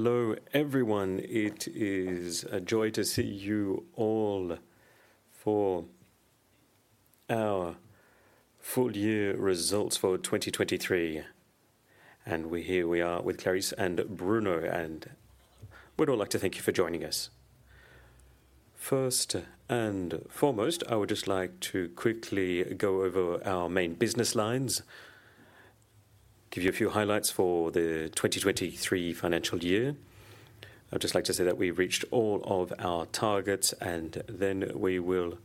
Hello, everyone. It is a joy to see you all for our full year results for 2023, and we, here we are with Clarisse and Bruno, and we'd all like to thank you for joining us. First and foremost, I would just like to quickly go over our main business lines, give you a few highlights for the 2023 financial year. I'd just like to say that we reached all of our targets, and then we will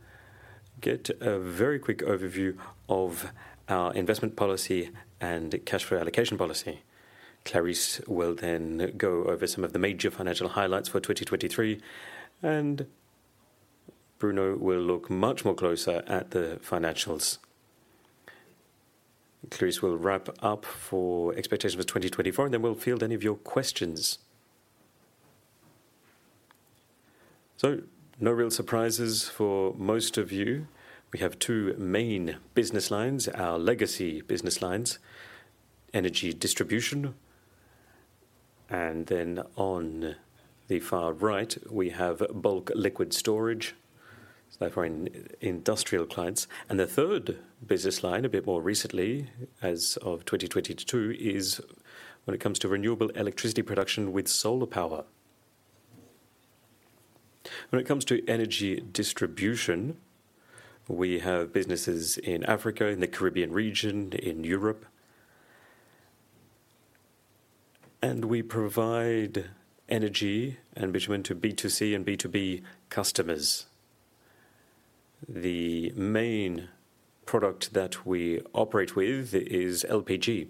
get a very quick overview of our investment policy and cash flow allocation policy. Clarisse will then go over some of the major financial highlights for 2023, and Bruno will look much more closer at the financials. Clarisse will wrap up for expectations for 2024, and then we'll field any of your questions. So no real surprises for most of you. We have two main business lines, our legacy business lines: energy distribution, and then on the far right, we have bulk liquid storage, so that for an industrial clients. The third business line, a bit more recently, as of 2022, is when it comes to renewable electricity production with solar power. When it comes to energy distribution, we have businesses in Africa, in the Caribbean region, in Europe. We provide energy and bitumen to B2C and B2B customers. The main product that we operate with is LPG.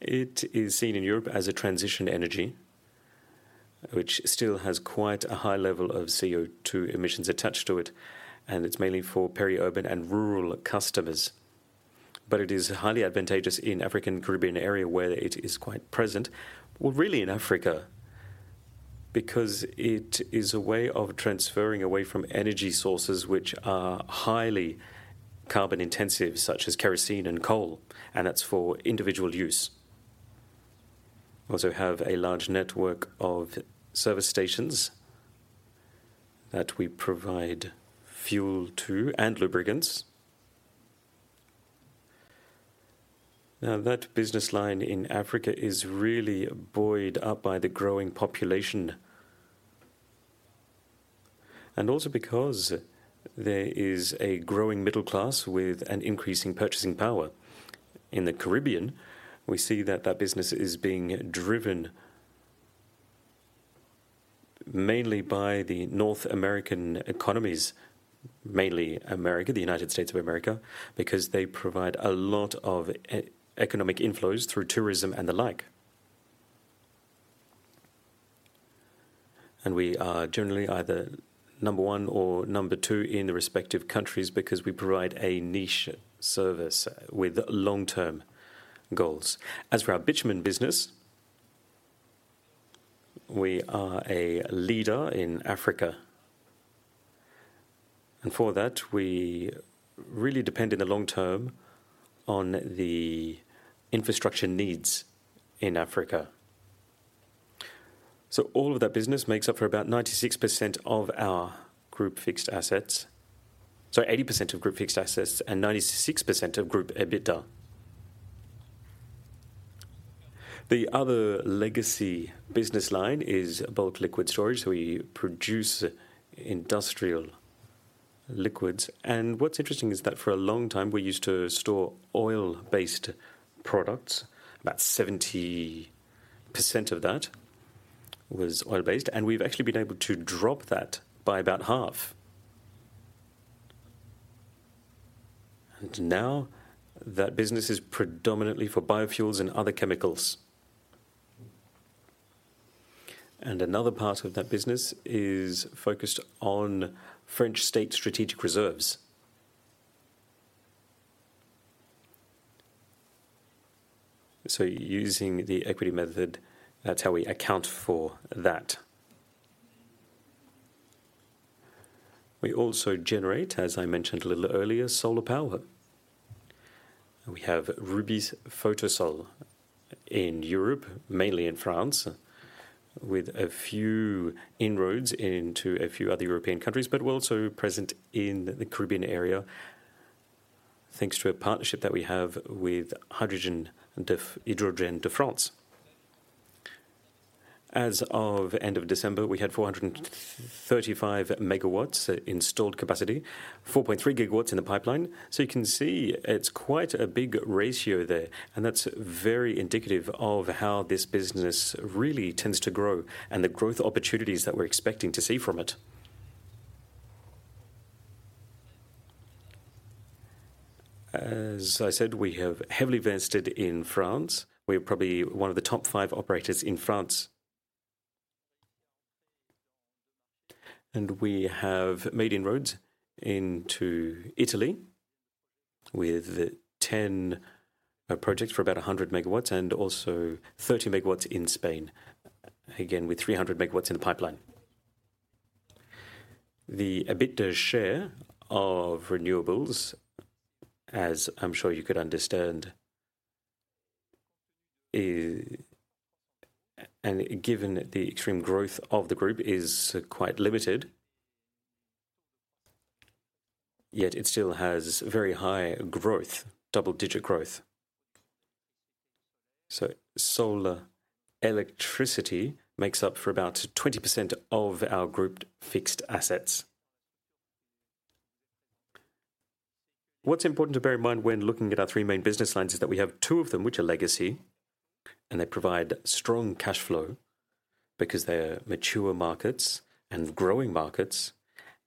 It is seen in Europe as a transition energy, which still has quite a high level of CO2 emissions attached to it, and it's mainly for peri-urban and rural customers. But it is highly advantageous in African, Caribbean area where it is quite present. Well, really in Africa, because it is a way of transferring away from energy sources which are highly carbon intensive, such as kerosene and coal, and that's for individual use. We also have a large network of service stations that we provide fuel to and lubricants. Now, that business line in Africa is really buoyed up by the growing population, and also because there is a growing middle class with an increasing purchasing power. In the Caribbean, we see that that business is being driven mainly by the North American economies, mainly America, the United States of America, because they provide a lot of economic inflows through tourism and the like. And we are generally either number one or number two in the respective countries because we provide a niche service with long-term goals. As for our bitumen business, we are a leader in Africa, and for that, we really depend in the long term on the infrastructure needs in Africa. So all of that business makes up for about 96% of our group fixed assets. So 80% of group fixed assets and 96% of group EBITDA. The other legacy business line is bulk liquid storage. So we produce industrial liquids, and what's interesting is that for a long time, we used to store oil-based products. About 70% of that was oil-based, and we've actually been able to drop that by about half. And now that business is predominantly for biofuels and other chemicals. And another part of that business is focused on French state strategic reserves. So using the equity method, that's how we account for that. We also generate, as I mentioned a little earlier, solar power. We have Rubis Photosol in Europe, mainly in France, with a few inroads into a few other European countries, but we're also present in the Caribbean area, thanks to a partnership that we have with Hydrogène de France. As of end of December, we had 435 MW installed capacity, 4.3 GW in the pipeline. So you can see it's quite a big ratio there, and that's very indicative of how this business really tends to grow and the growth opportunities that we're expecting to see from it. As I said, we have heavily invested in France. We're probably one of the top five operators in France. We have made inroads into Italy with 10 projects for about 100 MW and also 30 MW in Spain, again, with 300 MW in the pipeline. The EBITDA share of renewables, as I'm sure you could understand, is, and given the extreme growth of the group, is quite limited, yet it still has very high growth, double-digit growth. So solar electricity makes up for about 20% of our group fixed assets. What's important to bear in mind when looking at our three main business lines, is that we have two of them, which are legacy, and they provide strong cash flow because they are mature markets and growing markets,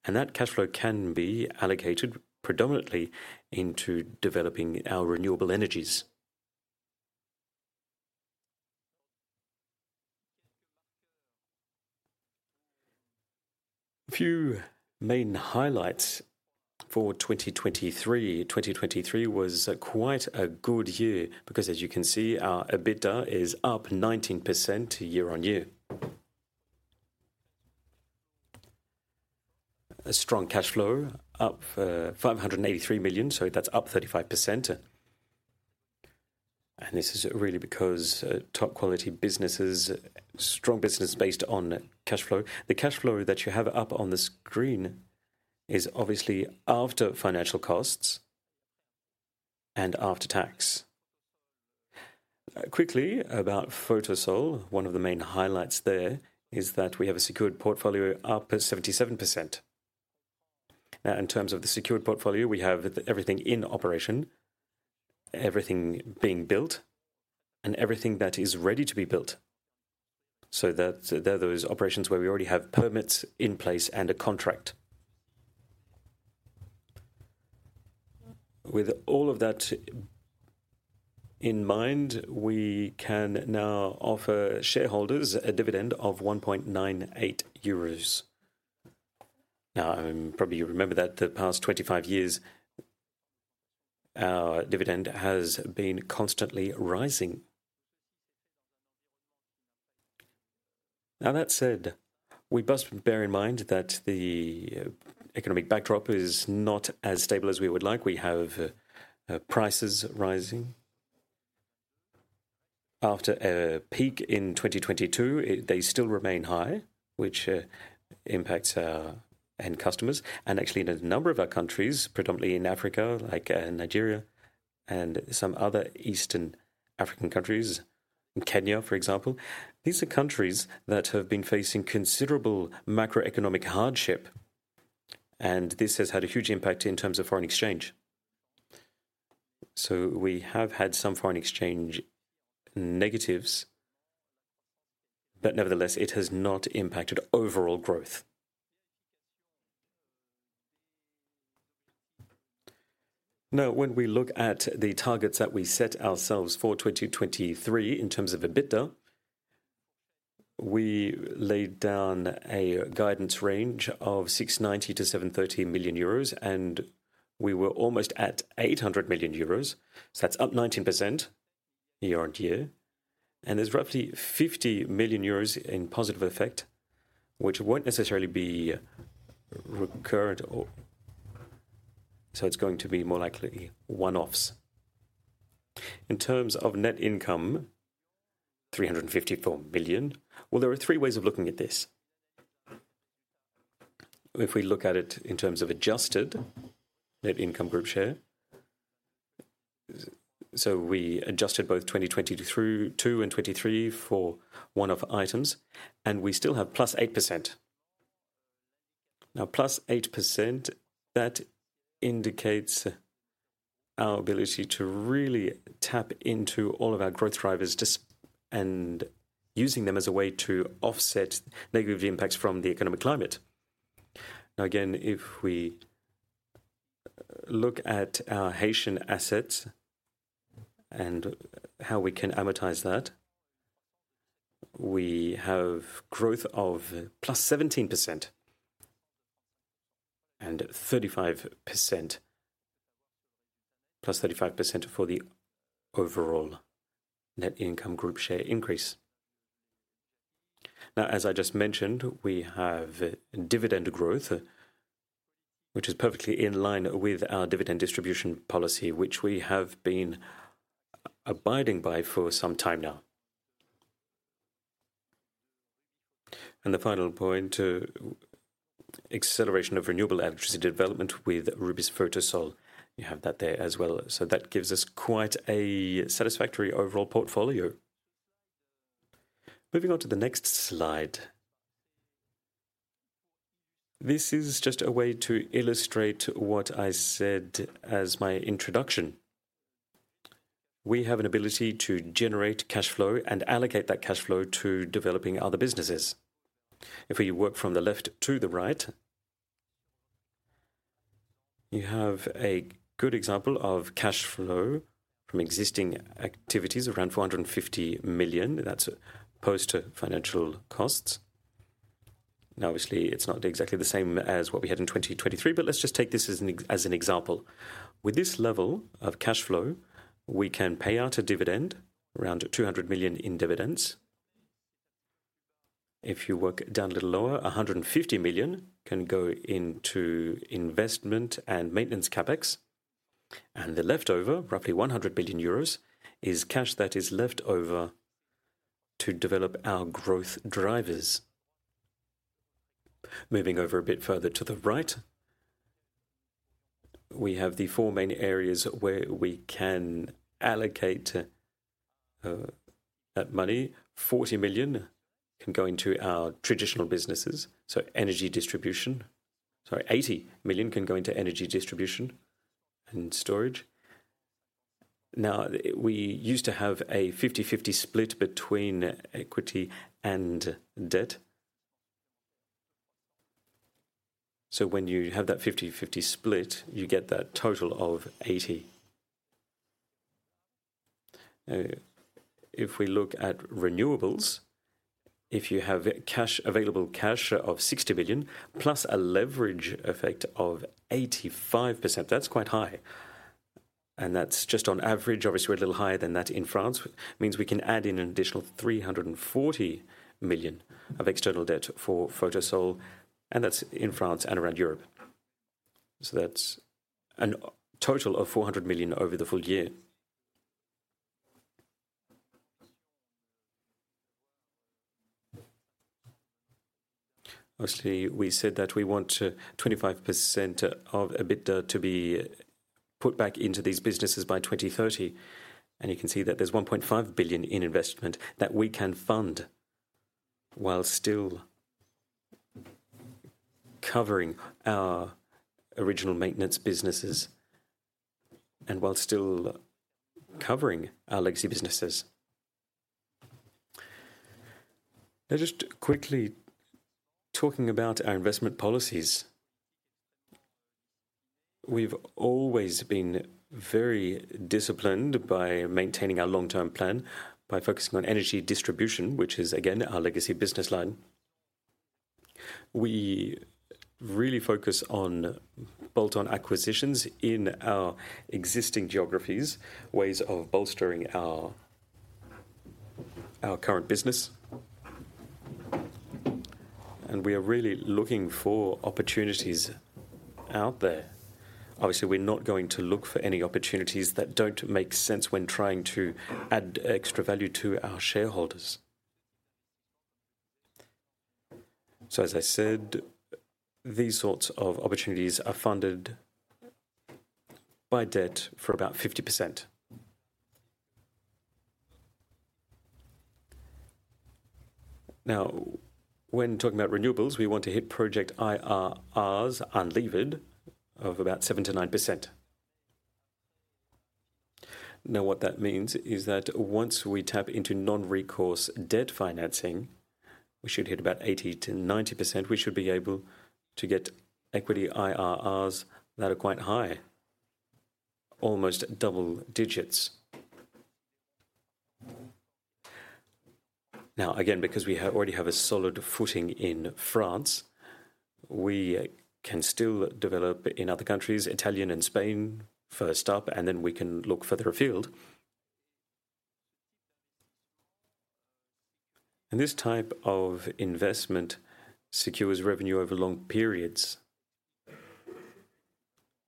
and that cash flow can be allocated predominantly into developing our renewable energies. A few main highlights for 2023. 2023 was quite a good year because, as you can see, our EBITDA is up 19% year-on-year. A strong cash flow, up 583 million, so that's up 35%. And this is really because top quality businesses, strong business based on cash flow. The cash flow that you have up on the screen is obviously after financial costs and after tax. Quickly, about Photosol, one of the main highlights there is that we have a secured portfolio up at 77%. Now, in terms of the secured portfolio, we have everything in operation, everything being built, and everything that is ready to be built. So that's those operations where we already have permits in place and a contract. With all of that in mind, we can now offer shareholders a dividend of 1.98 euros. Now, probably you remember that the past 25 years, our dividend has been constantly rising. Now, that said, we must bear in mind that the economic backdrop is not as stable as we would like. We have prices rising. After a peak in 2022, they still remain high, which impacts our end customers, and actually in a number of our countries, predominantly in Africa, like Nigeria and some other Eastern African countries, Kenya, for example. These are countries that have been facing considerable macroeconomic hardship, and this has had a huge impact in terms of foreign exchange. So we have had some foreign exchange negatives, but nevertheless, it has not impacted overall growth. Now, when we look at the targets that we set ourselves for 2023, in terms of EBITDA, we laid down a guidance range of 690 million-730 million euros, and we were almost at 800 million euros. So that's up 19% year-on-year, and there's roughly 50 million euros in positive effect, which won't necessarily be recurrent or... so it's going to be more likely one-offs. In terms of net income, 354 million. Well, there are three ways of looking at this. If we look at it in terms of adjusted net income group share, so we adjusted both 2022 and 2023 for one-off items, and we still have +8%. Now, +8%, that indicates our ability to really tap into all of our growth drivers, just, and using them as a way to offset negative impacts from the economic climate. Now, again, if we look at our Haitian assets and how we can amortize that, we have growth of +17% and 35%, +35% for the overall net income group share increase. Now, as I just mentioned, we have dividend growth, which is perfectly in line with our dividend distribution policy, which we have been abiding by for some time now. And the final point, acceleration of renewable electricity development with Rubis Photosol. You have that there as well. So that gives us quite a satisfactory overall portfolio. Moving on to the next slide. This is just a way to illustrate what I said as my introduction. We have an ability to generate cash flow and allocate that cash flow to developing other businesses. If we work from the left to the right, you have a good example of cash flow from existing activities, around 450 million. That's post financial costs. Now, obviously, it's not exactly the same as what we had in 2023, but let's just take this as an example. With this level of cash flow, we can pay out a dividend, around 200 million in dividends. If you work down a little lower, 150 million can go into investment and maintenance CapEx, and the leftover, roughly 100 billion euros, is cash that is left over to develop our growth drivers. Moving over a bit further to the right, we have the four main areas where we can allocate that money. 40 million can go into our traditional businesses, so energy distribution. Sorry, 80 million can go into energy distribution and storage. Now, we used to have a 50/50 split between equity and debt. So when you have that 50/50 split, you get that total of 80. If we look at renewables, if you have cash, available cash of 60 million, plus a leverage effect of 85%, that's quite high, and that's just on average. Obviously, we're a little higher than that in France, which means we can add in an additional 340 million of external debt for Photosol, and that's in France and around Europe. So that's a total of 400 million over the full year. Obviously, we said that we want 25% of EBITDA to be put back into these businesses by 2030, and you can see that there's 1.5 billion in investment that we can fund while still covering our original maintenance businesses and while still covering our legacy businesses. Now, just quickly talking about our investment policies. We've always been very disciplined by maintaining our long-term plan, by focusing on energy distribution, which is, again, our legacy business line. We really focus on bolt-on acquisitions in our existing geographies, ways of bolstering our, our current business. We are really looking for opportunities out there. Obviously, we're not going to look for any opportunities that don't make sense when trying to add extra value to our shareholders. So as I said, these sorts of opportunities are funded by debt for about 50%. Now, when talking about renewables, we want to hit project IRRs unlevered of about 7%-9%. Now, what that means is that once we tap into non-recourse debt financing, we should hit about 80%-90%. We should be able to get equity IRRs that are quite high, almost double digits. Now, again, because we already have a solid footing in France, we can still develop in other countries, Italy and Spain, first up, and then we can look further afield. And this type of investment secures revenue over long periods,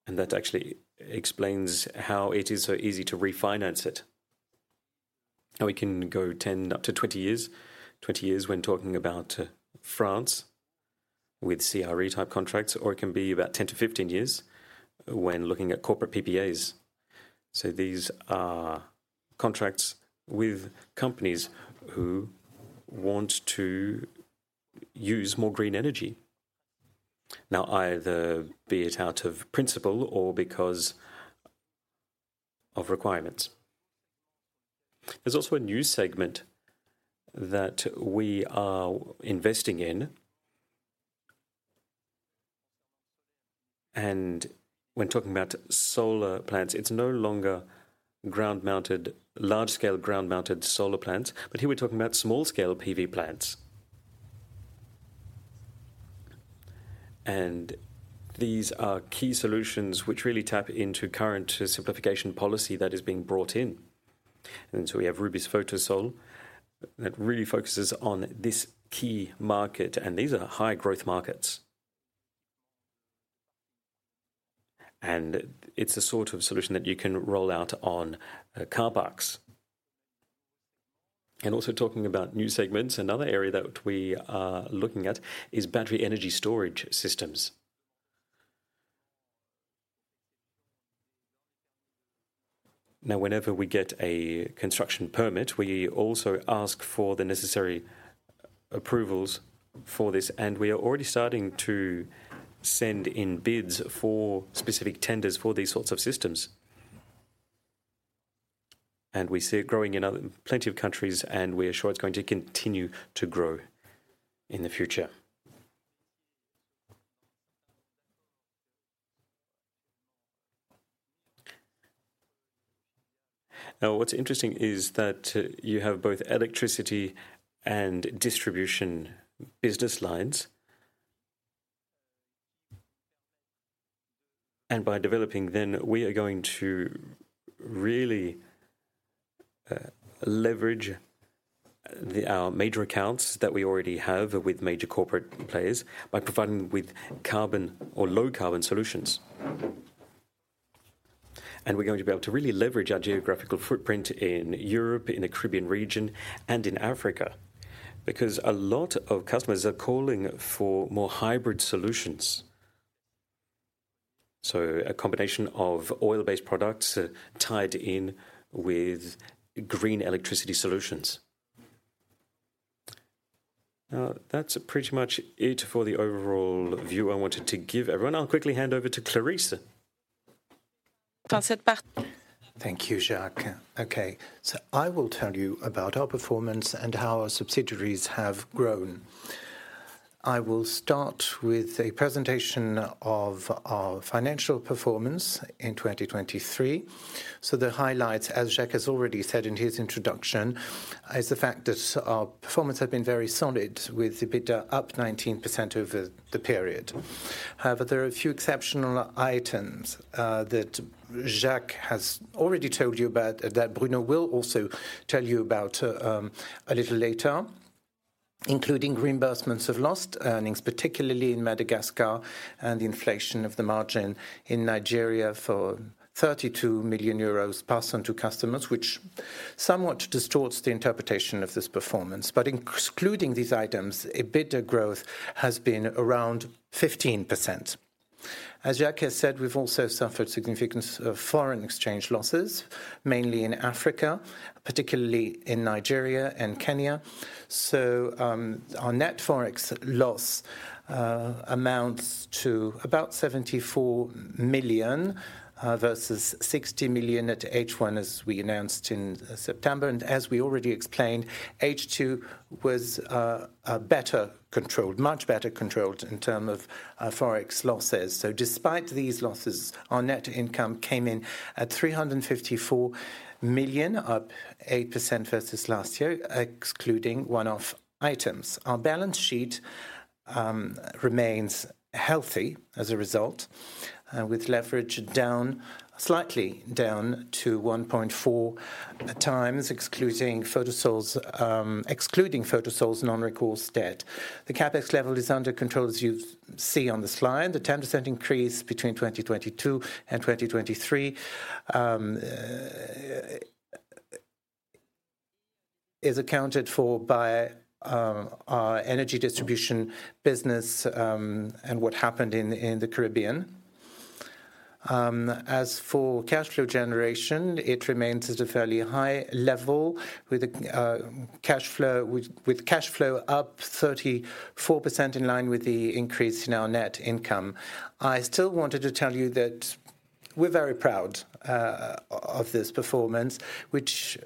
and that actually explains how it is so easy to refinance it. Now, we can go 10-20 years. 20 years when talking about France with CRE-type contracts, or it can be about 10-15 years when looking at corporate PPAs. So these are contracts with companies who want to use more green energy, now, either be it out of principle or because of requirements. There's also a new segment that we are investing in. When talking about solar plants, it's no longer ground-mounted, large-scale ground-mounted solar plants, but here we're talking about small-scale PV plants. These are key solutions which really tap into current simplification policy that is being brought in. So we have Rubis Photosol that really focuses on this key market, and these are high growth markets. It's the sort of solution that you can roll out on car parks. Also talking about new segments, another area that we are looking at is battery energy storage systems. Now, whenever we get a construction permit, we also ask for the necessary approvals for this, and we are already starting to send in bids for specific tenders for these sorts of systems. We see it growing in other plenty of countries, and we are sure it's going to continue to grow in the future. Now, what's interesting is that you have both electricity and distribution business lines, and by developing, then we are going to really leverage our major accounts that we already have with major corporate players by providing them with carbon or low-carbon solutions. We're going to be able to really leverage our geographical footprint in Europe, in the Caribbean region, and in Africa, because a lot of customers are calling for more hybrid solutions. A combination of oil-based products tied in with green electricity solutions. Now, that's pretty much it for the overall view I wanted to give everyone. I'll quickly hand over to Clarisse. (FL) Thank you, Jacques. Okay, I will tell you about our performance and how our subsidiaries have grown. I will start with a presentation of our financial performance in 2023. The highlights, as Jacques has already said in his introduction, is the fact that our performance has been very solid, with EBITDA up 19% over the period. However, there are a few exceptional items that Jacques has already told you about, that Bruno will also tell you about a little later, including reimbursements of lost earnings, particularly in Madagascar, and the inflation of the margin in Nigeria for 32 million euros passed on to customers, which somewhat distorts the interpretation of this performance. Excluding these items, EBITDA growth has been around 15%. As Jacques has said, we've also suffered significant foreign exchange losses, mainly in Africa, particularly in Nigeria and Kenya. So, our net Forex loss amounts to about 74 million, versus 60 million at H1, as we announced in September. As we already explained, H2 was a better controlled, much better controlled in term of Forex losses. So despite these losses, our net income came in at 354 million, up 8% versus last year, excluding one-off items. Our balance sheet remains healthy as a result, with leverage down, slightly down to 1.4 times, excluding Photosol's non-recourse debt. The CapEx level is under control, as you see on the slide. The 10% increase between 2022 and 2023 is accounted for by our energy distribution business, and what happened in the Caribbean. As for cash flow generation, it remains at a fairly high level, with the cash flow up 34%, in line with the increase in our net income. I still wanted to tell you that we're very proud of this performance, which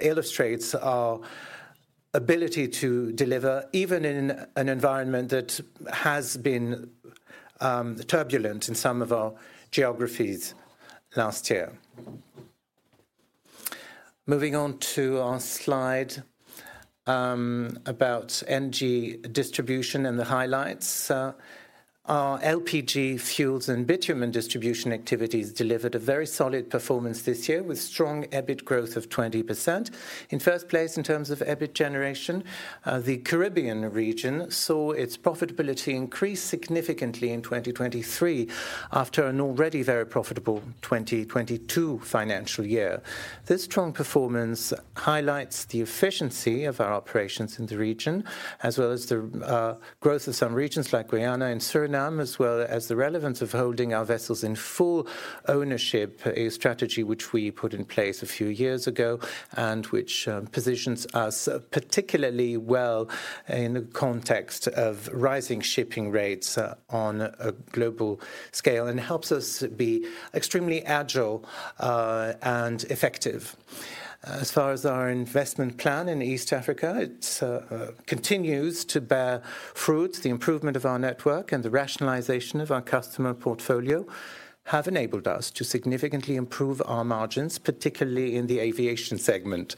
illustrates our ability to deliver, even in an environment that has been turbulent in some of our geographies last year. Moving on to our slide about energy distribution and the highlights. Our LPG fuels and bitumen distribution activities delivered a very solid performance this year, with strong EBIT growth of 20%. In first place, in terms of EBIT generation, the Caribbean region saw its profitability increase significantly in 2023 after an already very profitable 2022 financial year. This strong performance highlights the efficiency of our operations in the region, as well as the growth of some regions like Guyana and Suriname, as well as the relevance of holding our vessels in full ownership, a strategy which we put in place a few years ago, and which positions us particularly well in the context of rising shipping rates on a global scale, and helps us be extremely agile and effective. As far as our investment plan in East Africa, it continues to bear fruit. The improvement of our network and the rationalization of our customer portfolio have enabled us to significantly improve our margins, particularly in the aviation segment.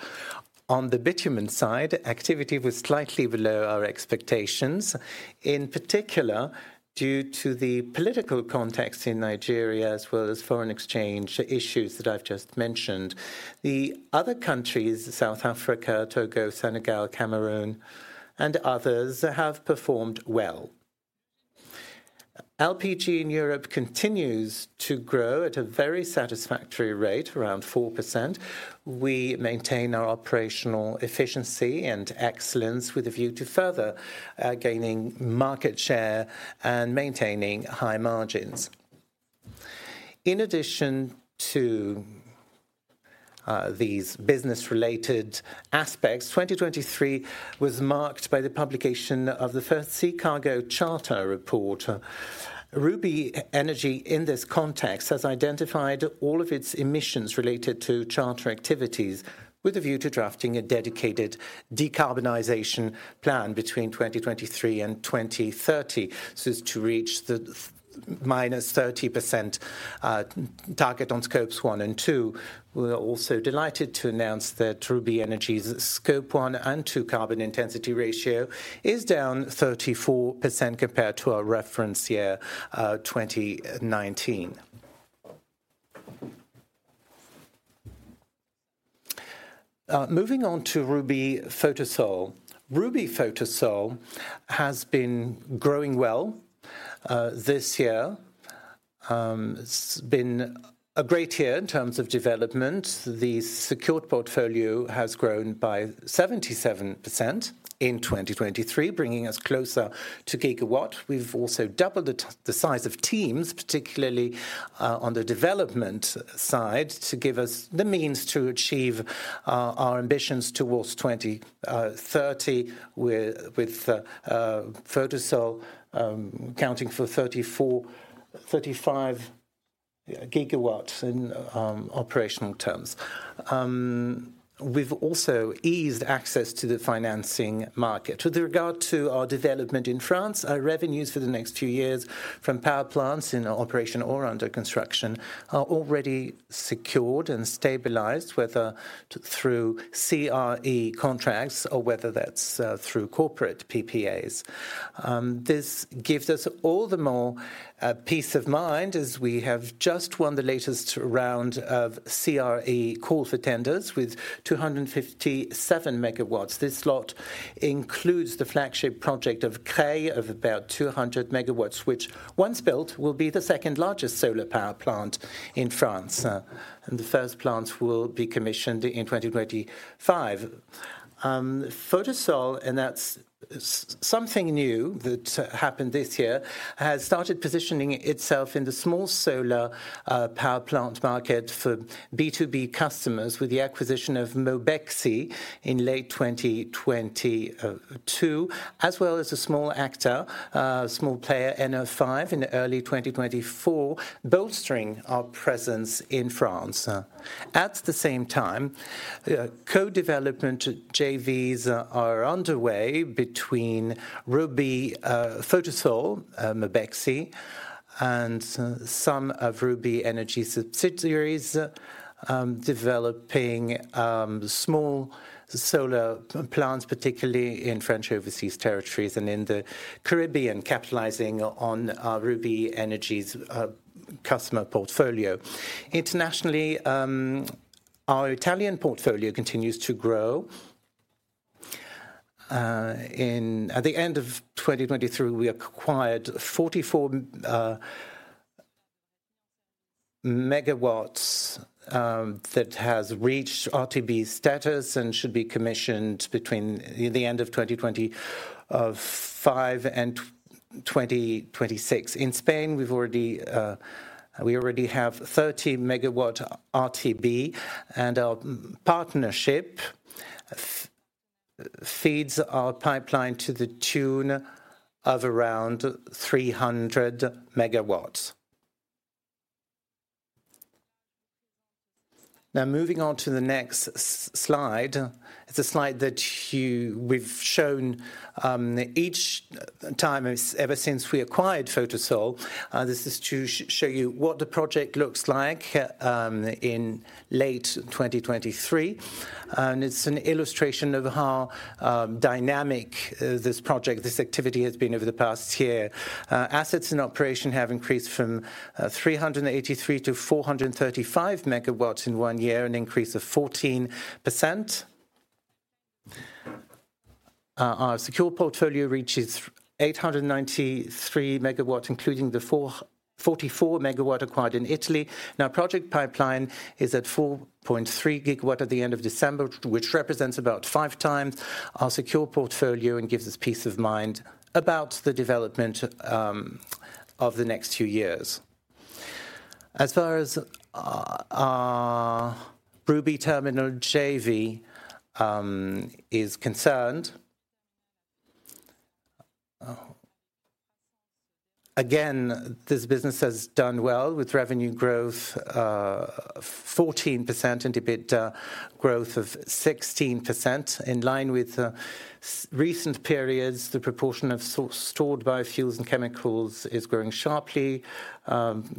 On the bitumen side, activity was slightly below our expectations, in particular, due to the political context in Nigeria, as well as foreign exchange issues that I've just mentioned. The other countries, South Africa, Togo, Senegal, Cameroon, and others, have performed well. LPG in Europe continues to grow at a very satisfactory rate, around 4%. We maintain our operational efficiency and excellence with a view to further gaining market share and maintaining high margins. In addition to these business-related aspects, 2023 was marked by the publication of the first Sea Cargo Charter report. Rubis Energy, in this context, has identified all of its emissions related to charter activities with a view to drafting a dedicated decarbonization plan between 2023 and 2030, so as to reach the -30% target on Scopes one and two. We're also delighted to announce that Rubis Energy's Scope one and two carbon intensity ratio is down 34% compared to our reference year, 2019. Moving on to Rubis Photosol. Rubis Photosol has been growing well this year. It's been a great year in terms of development. The secured portfolio has grown by 77% in 2023, bringing us closer to gigawatt. We've also doubled the size of teams, particularly on the development side, to give us the means to achieve our ambitions towards 2030, with Photosol accounting for 34-35 gigawatts in operational terms. We've also eased access to the financing market. With regard to our development in France, our revenues for the next two years from power plants in operation or under construction are already secured and stabilized, whether through CRE contracts or whether that's through corporate PPAs. This gives us all the more peace of mind, as we have just won the latest round of CRE call for tenders with 257 MW. This lot includes the flagship project of Creil, of about 200 MW, which, once built, will be the second-largest solar power plant in France, and the first plant will be commissioned in 2025. Photosol, and that's something new that happened this year, has started positioning itself in the small solar power plant market for B2B customers, with the acquisition of Mobexi in late 2022, as well as a small actor, small player, Ener5, in early 2024, bolstering our presence in France. At the same time, co-development JVs are underway between Rubis, Photosol, Mobexi, and some of Rubis Énergie subsidiaries, developing small solar plants, particularly in French overseas territories and in the Caribbean, capitalizing on Rubis Énergie's customer portfolio. Internationally, our Italian portfolio continues to grow. At the end of 2023, we acquired 44 MW that has reached RTB status and should be commissioned between the end of 2025 and 2026. In Spain, we already have 30-MW RTB, and our partnership feeds our pipeline to the tune of around 300 MW. Now, moving on to the next slide. It's a slide that we've shown each time as, ever since we acquired Photosol. This is to show you what the project looks like in late 2023, and it's an illustration of how dynamic this project, this activity, has been over the past year. Assets in operation have increased from 383 to 435 MW in one year, an increase of 14%. Our secure portfolio reaches 893 MW, including the 44 MW acquired in Italy. Our project pipeline is at 4.3 GW at the end of December, which represents about five times our secure portfolio and gives us peace of mind about the development of the next two years. As far as our Rubis Terminal JV is concerned, again, this business has done well, with revenue growth of 14% and EBITDA growth of 16%. In line with recent periods, the proportion of stored biofuels and chemicals is growing sharply.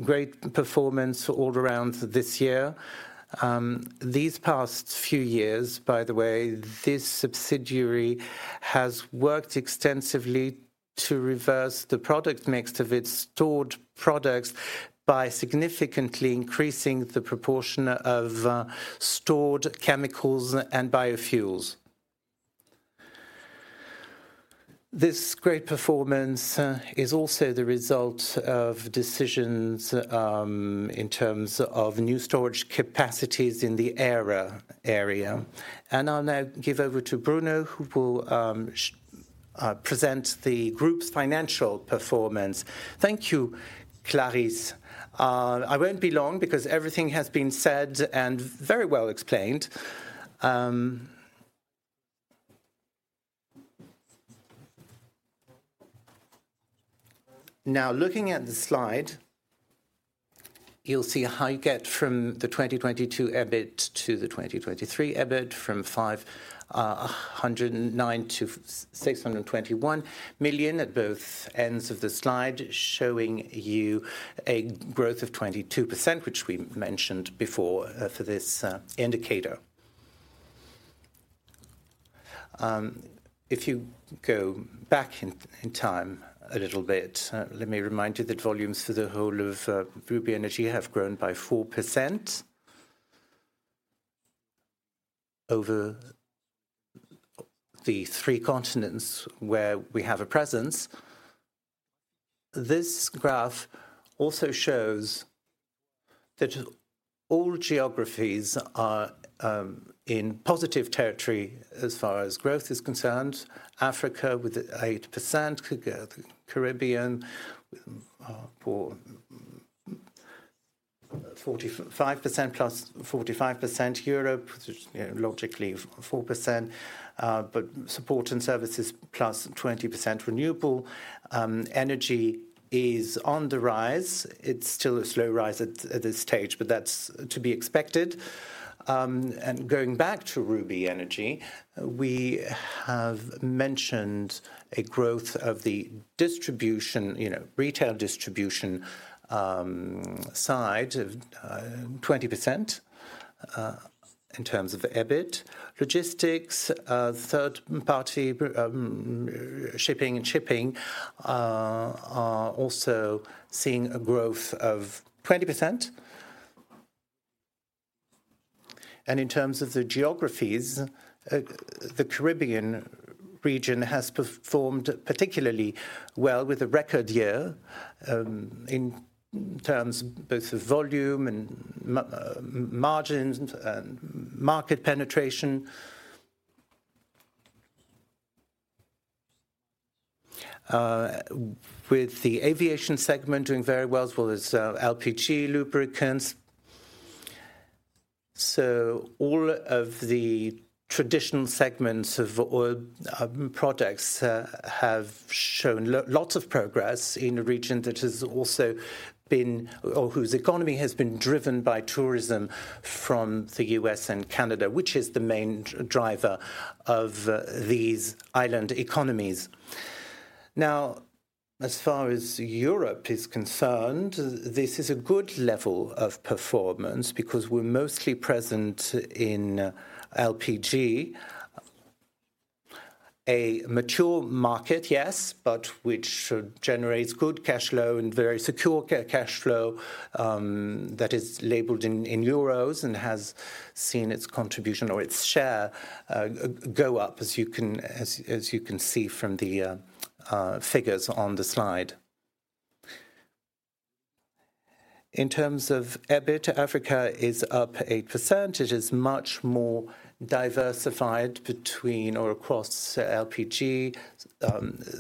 Great performance all around this year. These past few years, by the way, this subsidiary has worked extensively to reverse the product mix of its stored products by significantly increasing the proportion of stored chemicals and biofuels. This great performance is also the result of decisions in terms of new storage capacities in the area. And I'll now give over to Bruno, who will present the group's financial performance. Thank you, Clarisse. I won't be long, because everything has been said and very well explained. Now, looking at the slide, you'll see how you get from the 2022 EBIT to the 2023 EBIT, from 509 million to 621 million at both ends of the slide, showing you a growth of 22%, which we mentioned before, for this indicator. If you go back in time a little bit, let me remind you that volumes for the whole of Rubis Energy have grown by 4% over the three continents where we have a presence. This graph also shows that all geographies are in positive territory as far as growth is concerned. Africa with 8%, Caribbean, forty-five percent plus forty-five percent, Europe, you know, logically 4%. But support and services plus 20% renewable. Energy is on the rise. It's still a slow rise at this stage, but that's to be expected. And going back to Rubis Énergie, we have mentioned a growth of the distribution, you know, retail distribution, side of 20% in terms of EBIT. Logistics, third-party shipping and chartering, are also seeing a growth of 20%. And in terms of the geographies, the Caribbean region has performed particularly well with a record year, in terms both of volume and margins and market penetration. With the aviation segment doing very well as well as LPG lubricants. So all of the traditional segments of oil products have shown lots of progress in a region that has also been... or whose economy has been driven by tourism from the U.S. and Canada, which is the main driver of these island economies. Now, as far as Europe is concerned, this is a good level of performance because we're mostly present in LPG. A mature market, yes, but which generates good cash flow and very secure cash flow that is labeled in euros and has seen its contribution or its share go up, as you can see from the figures on the slide. In terms of EBIT, Africa is up 8%. It is much more diversified between or across LPG,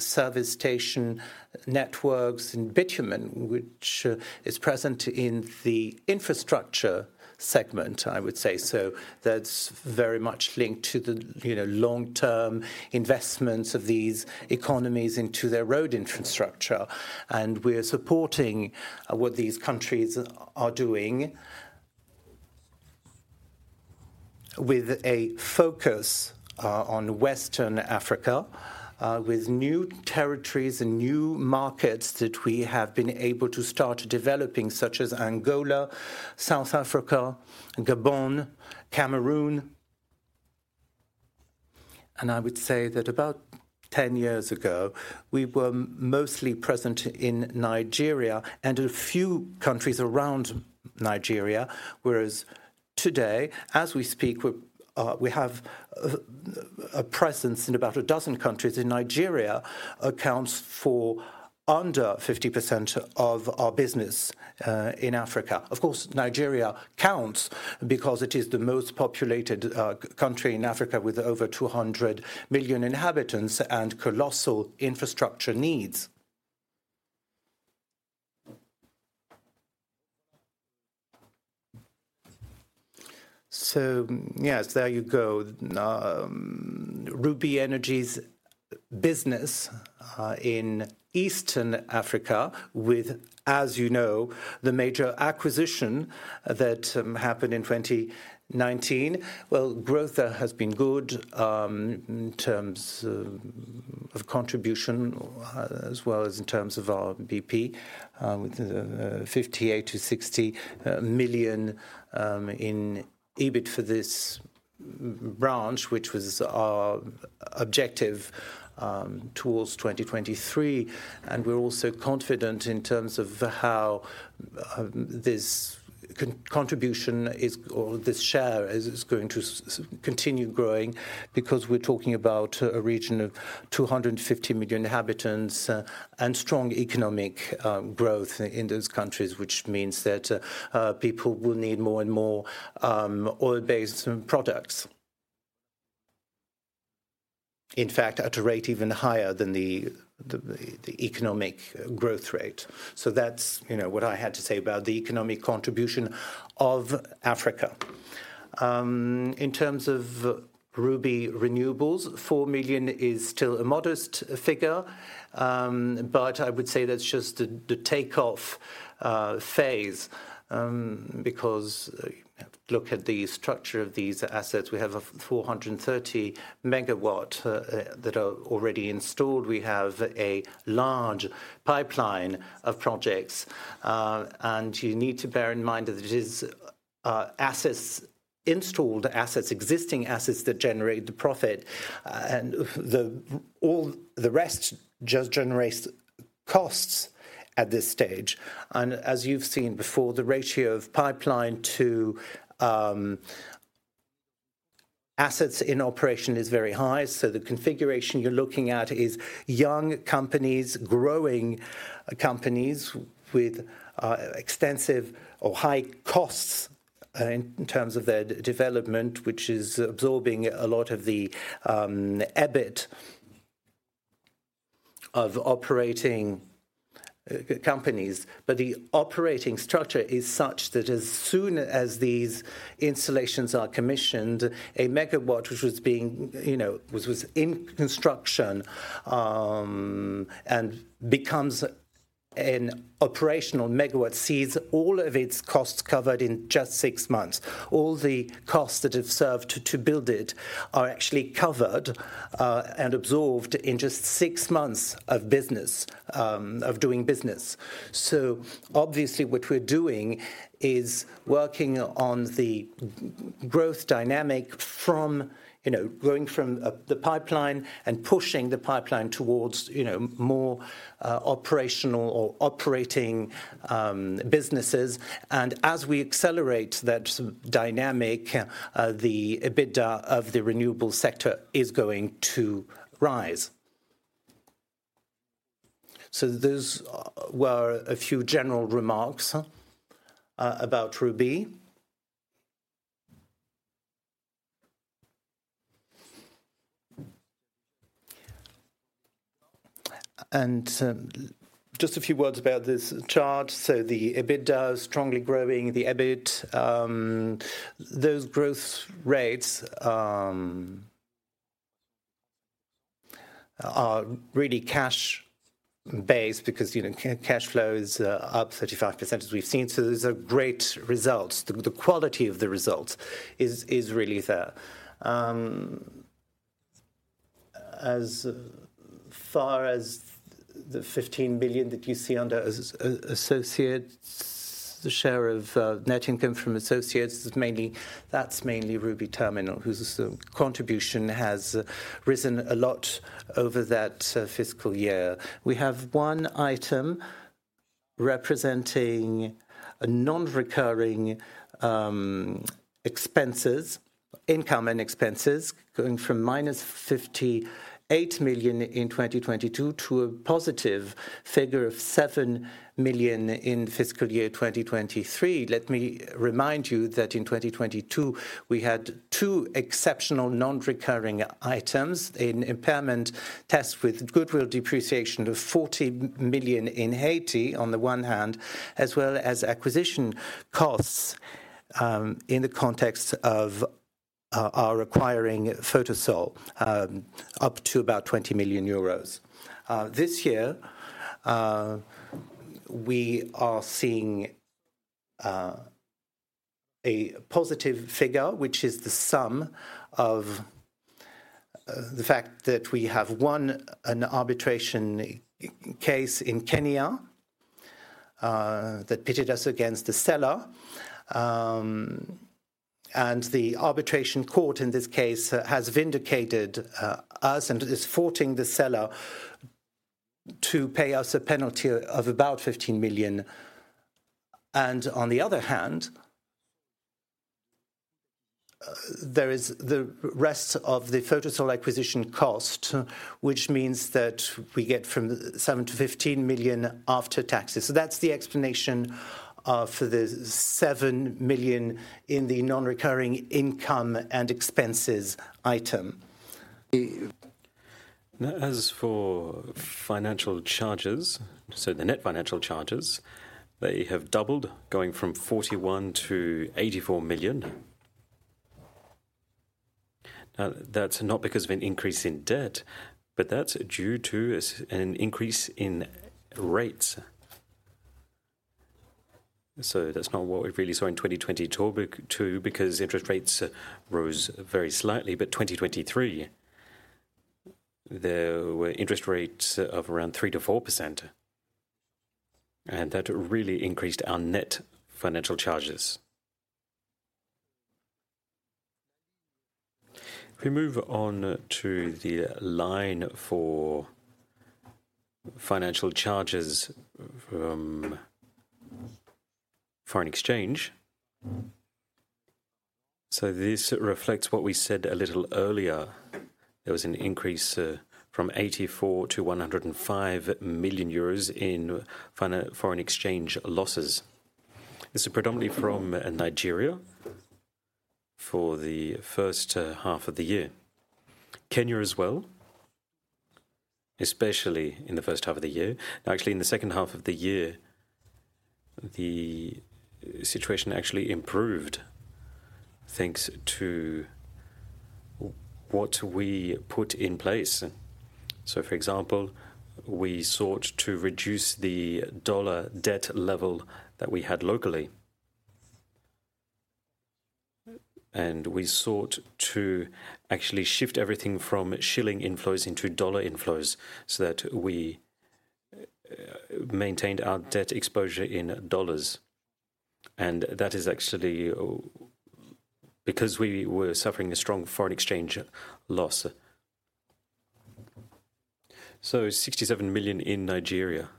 service station networks, and bitumen, which is present in the infrastructure segment, I would say. So that's very much linked to the, you know, long-term investments of these economies into their road infrastructure, and we're supporting what these countries are doing with a focus on Western Africa with new territories and new markets that we have been able to start developing, such as Angola, South Africa, Gabon, Cameroon. I would say that about 10 years ago, we were mostly present in Nigeria and a few countries around Nigeria. Whereas today, as we speak, we're we have a presence in about a dozen countries, and Nigeria accounts for under 50% of our business in Africa. Of course, Nigeria counts because it is the most populated country in Africa with over 200 million inhabitants and colossal infrastructure needs. So yes, there you go. Rubis Énergie's business in Eastern Africa with, as you know, the major acquisition that happened in 2019, well, growth there has been good in terms of contribution as well as in terms of our BP with 58 million-60 million in EBIT for this branch, which was our objective towards 2023. And we're also confident in terms of how this contribution is, or this share, is going to continue growing because we're talking about a region of 250 million inhabitants and strong economic growth in those countries, which means that people will need more and more oil-based products. In fact, at a rate even higher than the economic growth rate. So that's, you know, what I had to say about the economic contribution of Africa. In terms of Rubis Renewables, 4 million is still a modest figure, but I would say that's just the take-off phase, because look at the structure of these assets. We have a 430 MW that are already installed. We have a large pipeline of projects. And you need to bear in mind that assets installed, existing assets that generate the profit. And all the rest just generates costs at this stage. And as you've seen before, the ratio of pipeline to assets in operation is very high. So the configuration you're looking at is young companies, growing companies, with extensive or high costs in terms of their development, which is absorbing a lot of the EBIT of operating companies. But the operating structure is such that as soon as these installations are commissioned, a megawatt, which was being, you know, which was in construction and becomes an operational megawatt, sees all of its costs covered in just six months. All the costs that it served to build it are actually covered and absorbed in just six months of business of doing business. So obviously, what we're doing is working on the growth dynamic from, you know, growing from the pipeline and pushing the pipeline towards, you know, more operational or operating businesses. As we accelerate that dynamic, the EBITDA of the renewable sector is going to rise. So those were a few general remarks about Rubis. And just a few words about this chart. So the EBITDA is strongly growing, the EBIT. Those growth rates are really cash-based because, you know, cash flow is up 35%, as we've seen, so those are great results. The quality of the results is really there. As far as the 15 billion that you see under associates, the share of net income from associates is mainly, that's mainly Rubis Terminal, whose contribution has risen a lot over that fiscal year. We have one item representing a non-recurring expenses, income and expenses, going from -58 million in 2022 to a positive figure of 7 million in fiscal year 2023. Let me remind you that in 2022, we had two exceptional non-recurring items: an impairment test with goodwill depreciation of 40 million in Haiti on the one hand, as well as acquisition costs in the context of our acquiring Photosol up to about 20 million euros. This year, we are seeing a positive figure, which is the sum of the fact that we have one, an arbitration case in Kenya that pitted us against the seller. And the arbitration court in this case has vindicated us and is forcing the seller to pay us a penalty of about 15 million. On the other hand, there is the rest of the Photosol acquisition cost, which means that we get 7-15 million after taxes. That's the explanation for the 7 million in the non-recurring income and expenses item. As for financial charges, so the net financial charges, they have doubled, going from 41 million-84 million. Now, that's not because of an increase in debt, but that's due to an increase in rates. So that's not what we really saw in 2022 too, because interest rates rose very slightly. But 2023, there were interest rates of around 3-4%, and that really increased our net financial charges. If we move on to the line for financial charges from foreign exchange, so this reflects what we said a little earlier. There was an increase from 84 million-105 million euros in foreign exchange losses. This is predominantly from Nigeria for the first half of the year. Kenya as well, especially in the first half of the year. Actually, in the second half of the year, the situation actually improved, thanks to what we put in place. So, for example, we sought to reduce the dollar debt level that we had locally, and we sought to actually shift everything from shilling inflows into dollar inflows, so that we maintained our debt exposure in dollars. And that is actually because we were suffering a strong foreign exchange loss. So NGN 67 million in Nigeria,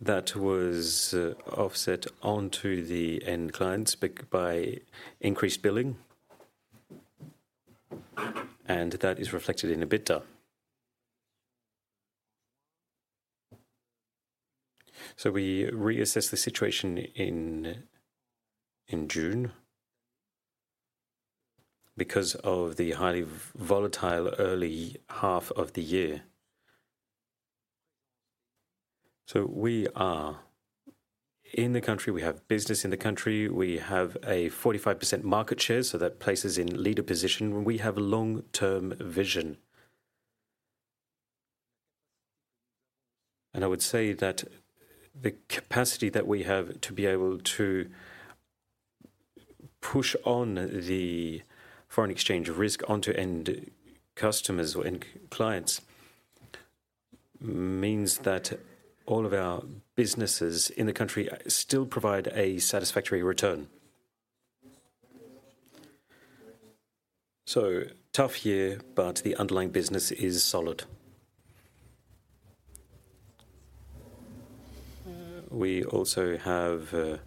that was offset onto the end clients by increased billing, and that is reflected in EBITDA. So we reassessed the situation in June, because of the highly volatile early half of the year. So we are in the country, we have business in the country. We have a 45% market share, so that places in leader position, we have a long-term vision. I would say that the capacity that we have to be able to push on the foreign exchange risk onto end customers or end clients means that all of our businesses in the country still provide a satisfactory return. So, tough year, but the underlying business is solid. We also have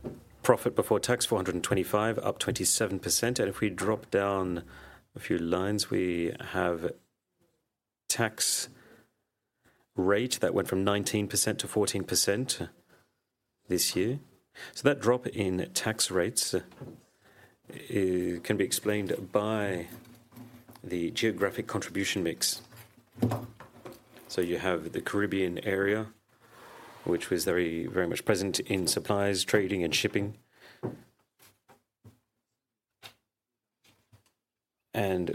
profit before tax, 425, up 27%, and if we drop down a few lines, we have tax rate that went from 19% to 14% this year. So that drop in tax rates can be explained by the geographic contribution mix. So you have the Caribbean area, which was very, very much present in supplies, trading, and shipping. And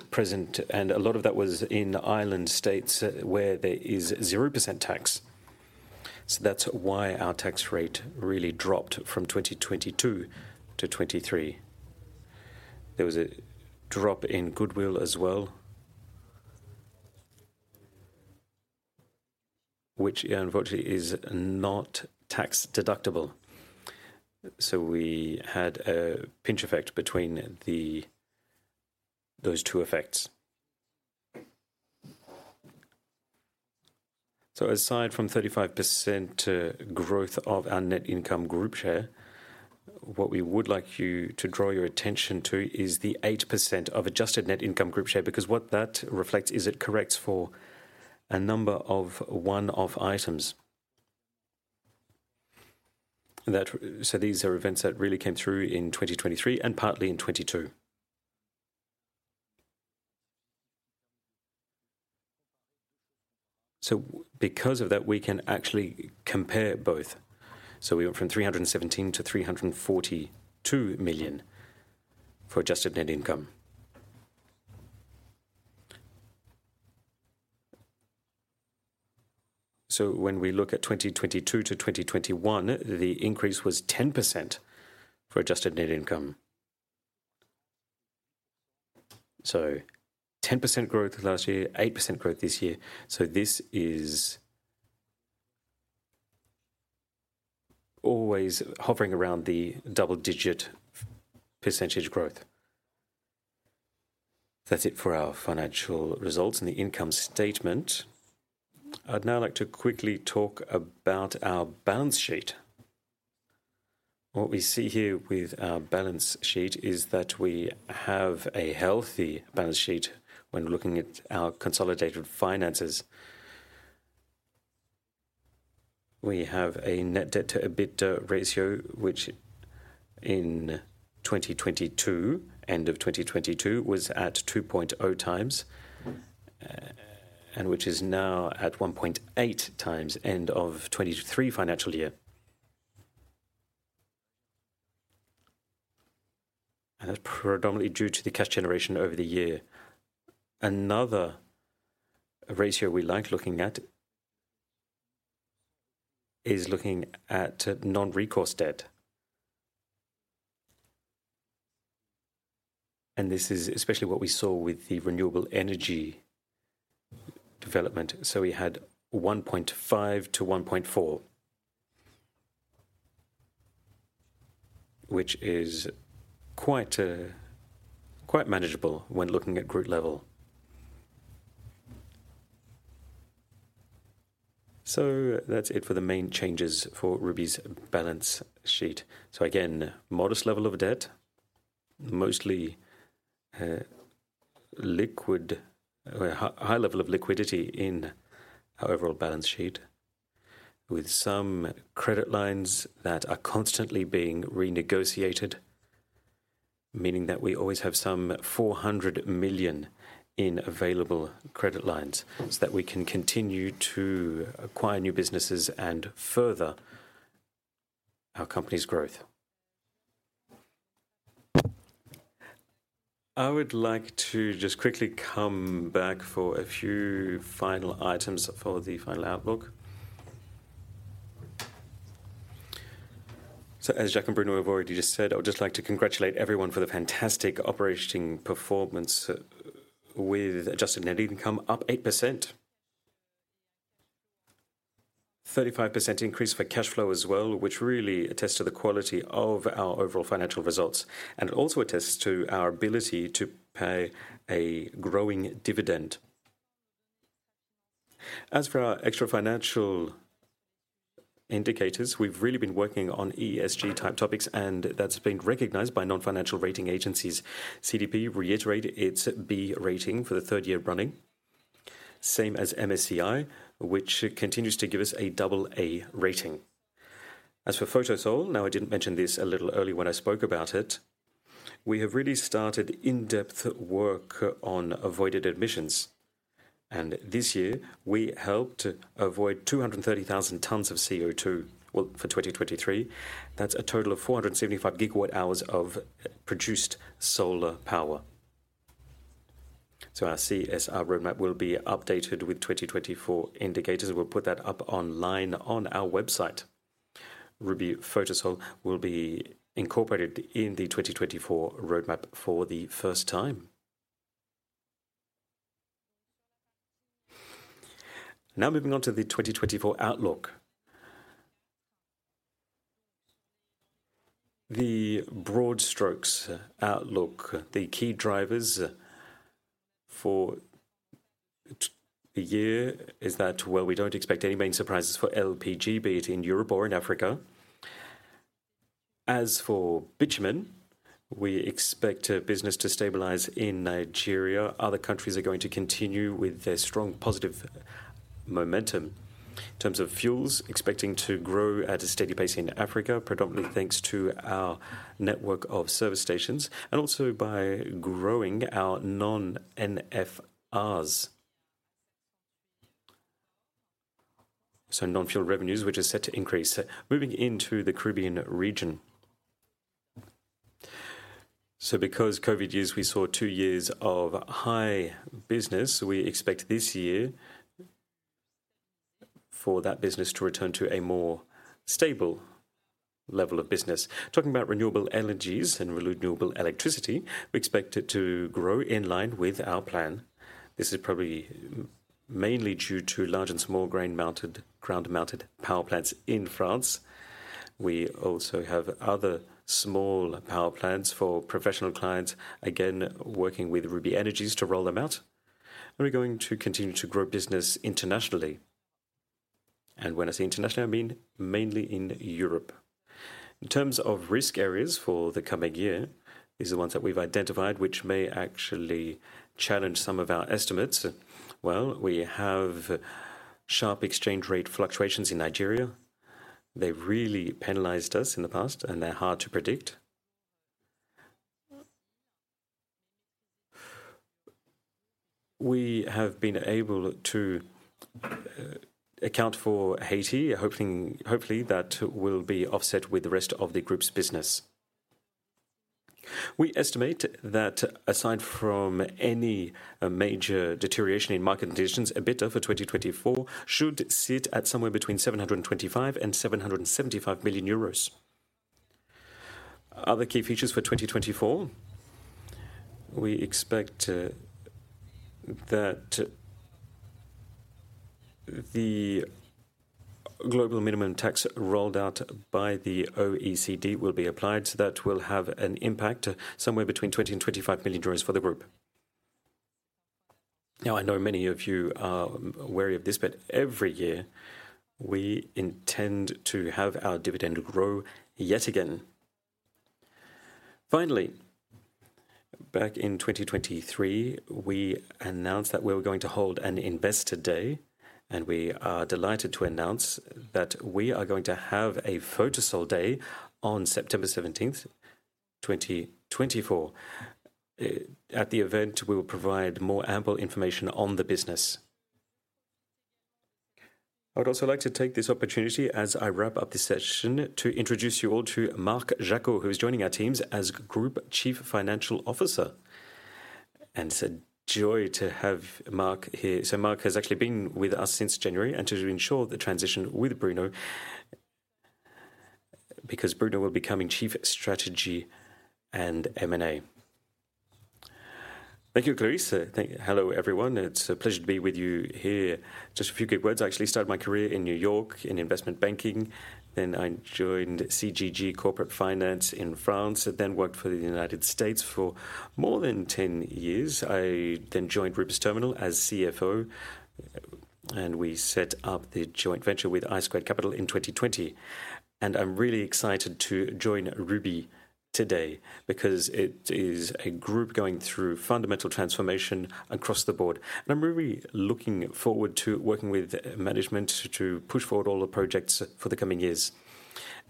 a lot of that was in island states where there is 0% tax. So that's why our tax rate really dropped from 2022 to 2023. There was a drop in goodwill as well, which unfortunately is not tax deductible. So we had a pinch effect between those two effects. So aside from 35% growth of our net income group share, what we would like you to draw your attention to is the 8% of adjusted net income group share, because what that reflects is it corrects for a number of one-off items. So these are events that really came through in 2023 and partly in 2022. So because of that, we can actually compare both. So we went from 317 million-342 million for adjusted net income. So when we look at 2022 to 2021, the increase was 10% for adjusted net income. So 10% growth last year, 8% growth this year. So this is always hovering around the double-digit % growth. That's it for our financial results and the income statement. I'd now like to quickly talk about our balance sheet. What we see here with our balance sheet is that we have a healthy balance sheet when looking at our consolidated finances. We have a net debt to EBITDA ratio, which in 2022, end of 2022, was at 2.0 times, and which is now at 1.8 times end of 2023 financial year. And that's predominantly due to the cash generation over the year. Another ratio we like looking at is looking at non-recourse debt. And this is especially what we saw with the renewable energy development. So we had 1.5-1.4, which is quite, quite manageable when looking at group level. So that's it for the main changes for Rubis's balance sheet. So again, modest level of debt, mostly liquid... high level of liquidity in our overall balance sheet, with some credit lines that are constantly being renegotiated, meaning that we always have some 400 million in available credit lines, so that we can continue to acquire new businesses and further our company's growth. I would like to just quickly come back for a few final items for the final outlook... So as Jacques and Bruno have already just said, I would just like to congratulate everyone for the fantastic operating performance, with adjusted net income up 8%. 35% increase for cash flow as well, which really attests to the quality of our overall financial results, and it also attests to our ability to pay a growing dividend. As for our extra financial indicators, we've really been working on ESG-type topics, and that's been recognized by non-financial rating agencies. CDP reiterated its B rating for the third year running, same as MSCI, which continues to give us a double A rating. As for Photosol, now, I didn't mention this a little early when I spoke about it. We have really started in-depth work on avoided emissions, and this year, we helped avoid 230,000 tons of CO2, well, for 2023. That's a total of 475 GWh of produced solar power. So our CSR roadmap will be updated with 2024 indicators. We'll put that up online on our website. Rubis Photosol will be incorporated in the 2024 roadmap for the first time. Now, moving on to the 2024 outlook. The broad strokes outlook, the key drivers for the year is that, well, we don't expect any main surprises for LPG, be it in Europe or in Africa. As for bitumen, we expect business to stabilize in Nigeria. Other countries are going to continue with their strong positive momentum. In terms of fuels, expecting to grow at a steady pace in Africa, predominantly thanks to our network of service stations and also by growing our non-NFRs, so non-fuel revenues, which are set to increase. Moving into the Caribbean region. So because COVID years, we saw two years of high business, we expect this year for that business to return to a more stable level of business. Talking about renewable energies and renewable electricity, we expect it to grow in line with our plan. This is probably mainly due to large and small ground-mounted power plants in France. We also have other small power plants for professional clients, again, working with Rubis Énergie to roll them out. We're going to continue to grow business internationally. When I say internationally, I mean mainly in Europe. In terms of risk areas for the coming year, these are the ones that we've identified, which may actually challenge some of our estimates. Well, we have sharp exchange rate fluctuations in Nigeria. They've really penalized us in the past, and they're hard to predict. We have been able to account for Haiti, hopefully, that will be offset with the rest of the group's business. We estimate that aside from any major deterioration in market conditions, EBITDA for 2024 should sit at somewhere between 725 million and 775 million euros. Other key features for 2024, we expect that the global minimum tax rolled out by the OECD will be applied. So that will have an impact somewhere between 20 million and 25 million euros for the group. Now, I know many of you are wary of this, but every year, we intend to have our dividend grow yet again. Finally, back in 2023, we announced that we were going to hold an investor day, and we are delighted to announce that we are going to have a Photosol day on September 17th, 2024. At the event, we will provide more ample information on the business. I would also like to take this opportunity as I wrap up this session, to introduce you all to Marc Jacquot, who is joining our teams as Group Chief Financial Officer, and it's a joy to have Marc here. So Marc has actually been with us since January, and to ensure the transition with Bruno, because Bruno will be becoming Chief Strategy and M&A. Thank you, Clarisse. Thank you. Hello, everyone. It's a pleasure to be with you here. Just a few quick words. I actually started my career in New York, in investment banking, then I joined CGG Corporate Finance in France, and then worked for the United States for more than 10 years. I then joined Rubis Terminal as CFO, and we set up the joint venture with I Squared Capital in 2020. And I'm really excited to join Rubis today because it is a group going through fundamental transformation across the board. And I'm really looking forward to working with management to push forward all the projects for the coming years.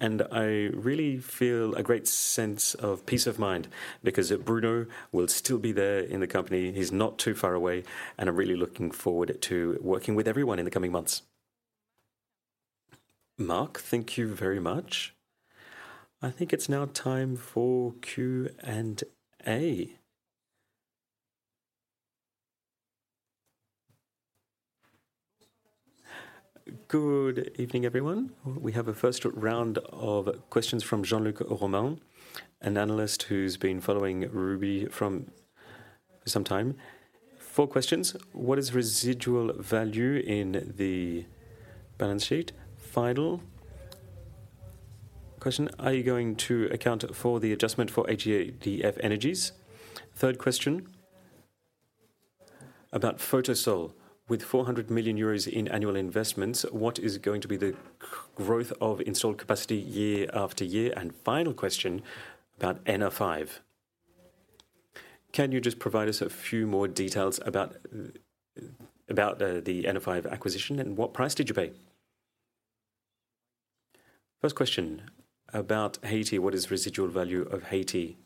I really feel a great sense of peace of mind because Bruno will still be there in the company. He's not too far away, and I'm really looking forward to working with everyone in the coming months. Marc, thank you very much. I think it's now time for Q&A. Good evening, everyone. We have a first round of questions from Jean-Luc Romain, an analyst who's been following Rubis for some time. Four questions: What is residual value in the balance sheet? Final question, are you going to account for the adjustment for HDF Energy? Third question, about Photosol. With 400 million euros in annual investments, what is going to be the growth of installed capacity year after year? And final question, about Ener5. Can you just provide us a few more details about the Ener5 acquisition, and what price did you pay? First question, about Haiti. What is residual value of Haiti?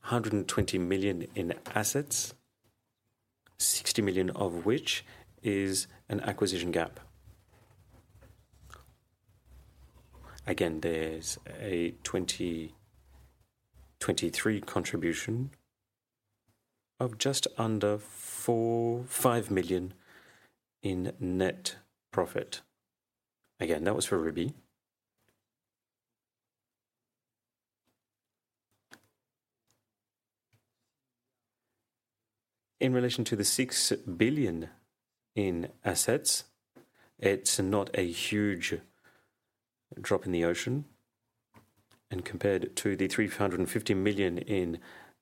120 million in assets, 60 million of which is an acquisition gap. Again, there's a 2023 contribution of just under 4-5 million in net profit. Again, that was for Rubis. In relation to the 6 billion in assets, it's not a huge drop in the ocean, and compared to the 350 million in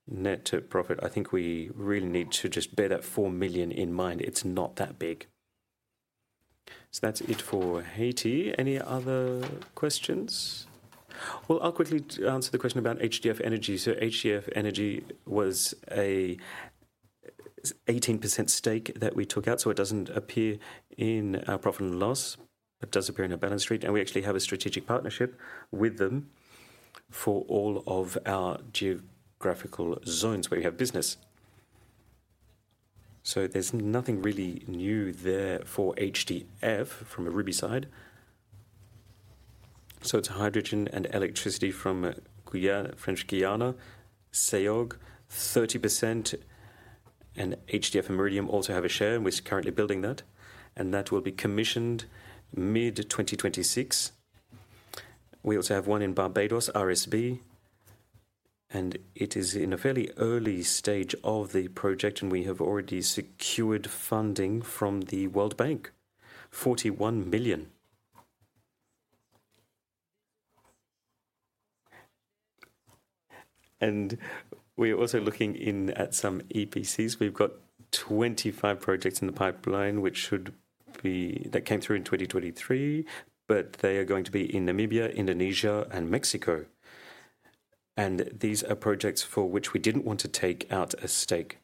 net profit, I think we really need to just bear that 4 million in mind. It's not that big. So that's it for Haiti. Any other questions? Well, I'll quickly answer the question about HDF Energy. So HDF Energy was an 18% stake that we took out, so it doesn't appear in our profit and loss. It does appear in our balance sheet, and we actually have a strategic partnership with them for all of our geographical zones where we have business. So there's nothing really new there for HDF from a Rubis side. So it's hydrogen and electricity from French Guiana, CEOG, 30%, and HDF and Meridiam also have a share, and we're currently building that, and that will be commissioned mid-2026. We also have one in Barbados, RSB, and it is in a fairly early stage of the project, and we have already secured funding from the World Bank, 41 billion. And we're also looking in at some EPCs. We've got 25 projects in the pipeline, which should be... That came through in 2023, but they are going to be in Namibia, Indonesia and Mexico. And these are projects for which we didn't want to take out a stake.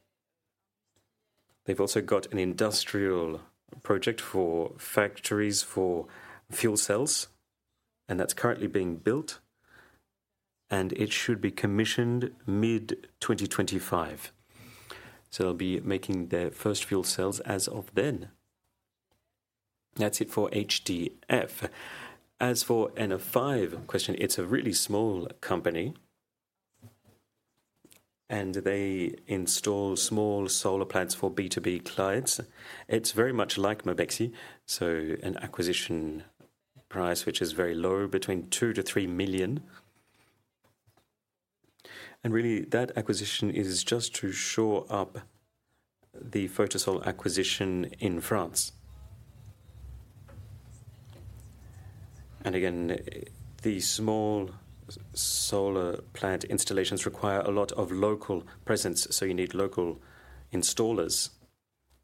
They've also got an industrial project for factories for fuel cells, and that's currently being built, and it should be commissioned mid-2025. So they'll be making their first fuel cells as of then. That's it for HDF. As for Ener5 question, it's a really small company, and they install small solar plants for B2B clients. It's very much like Mobexi, so an acquisition price, which is very low, 2 million- 3 million. And really, that acquisition is just to shore up the Photosol acquisition in France. And again, the small solar plant installations require a lot of local presence, so you need local installers,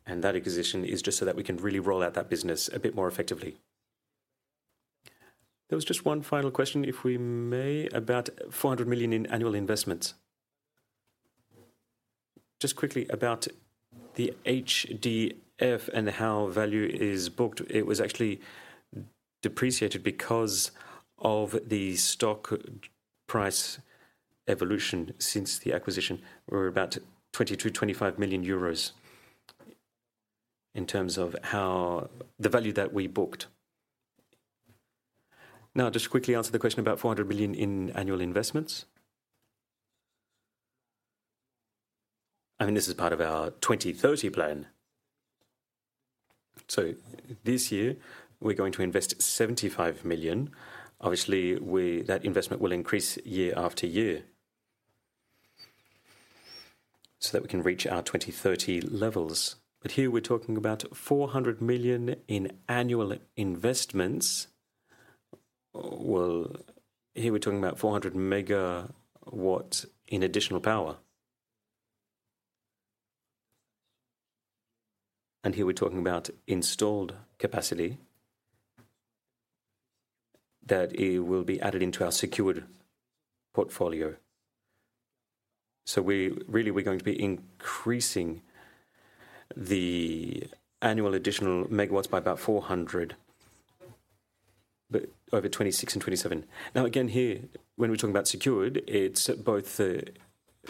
and that acquisition is just so that we can really roll out that business a bit more effectively. There was just one final question, if we may, about 400 million in annual investments. Just quickly about the HDF and how value is booked, it was actually depreciated because of the stock price evolution since the acquisition. We're about 20 million-25 million euros in terms of how the value that we booked. Now, just to quickly answer the question about 400 million in annual investments. I mean, this is part of our 2030 plan. So this year, we're going to invest 75 million. Obviously, that investment will increase year after year so that we can reach our 2030 levels. But here, we're talking about 400 million in annual investments. Well, here we're talking about 400 MW in additional power. And here we're talking about installed capacity that it will be added into our secured portfolio. So we really we're going to be increasing the annual additional megawatts by about 400, but over 2026 and 2027. Now, again, here, when we're talking about secured, it's both...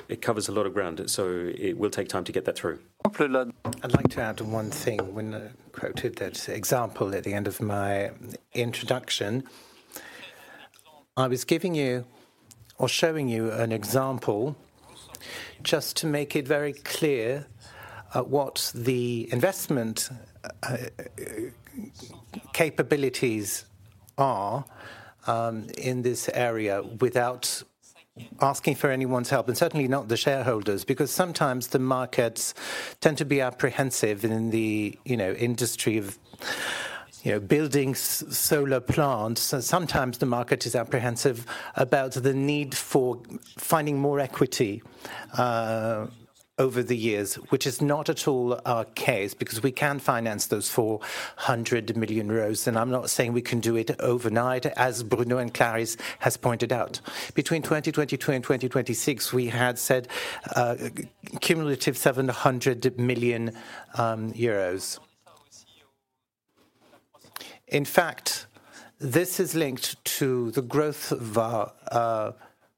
It covers a lot of ground, so it will take time to get that through. I'd like to add one thing. When I quoted that example at the end of my introduction, I was giving you or showing you an example just to make it very clear what the investment capabilities are in this area without asking for anyone's help, and certainly not the shareholders. Because sometimes the markets tend to be apprehensive in the, you know, industry of, you know, building solar plants, and sometimes the market is apprehensive about the need for finding more equity over the years, which is not at all our case, because we can finance those 400 million euros. And I'm not saying we can do it overnight, as Bruno and Clarisse has pointed out. Between 2022 and 2026, we had said cumulative EUR 700 million. In fact, this is linked to the growth of our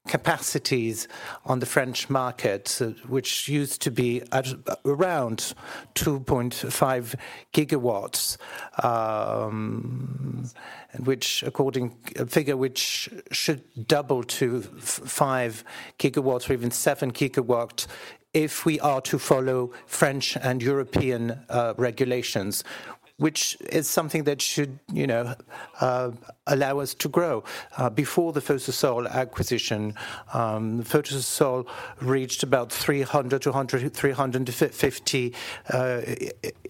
capacities on the French market, which used to be at around 2.5 GW, a figure which should double to five GW or even seven GW, if we are to follow French and European regulations, which is something that should, you know, allow us to grow. Before the Photosol acquisition, Photosol reached about 300-350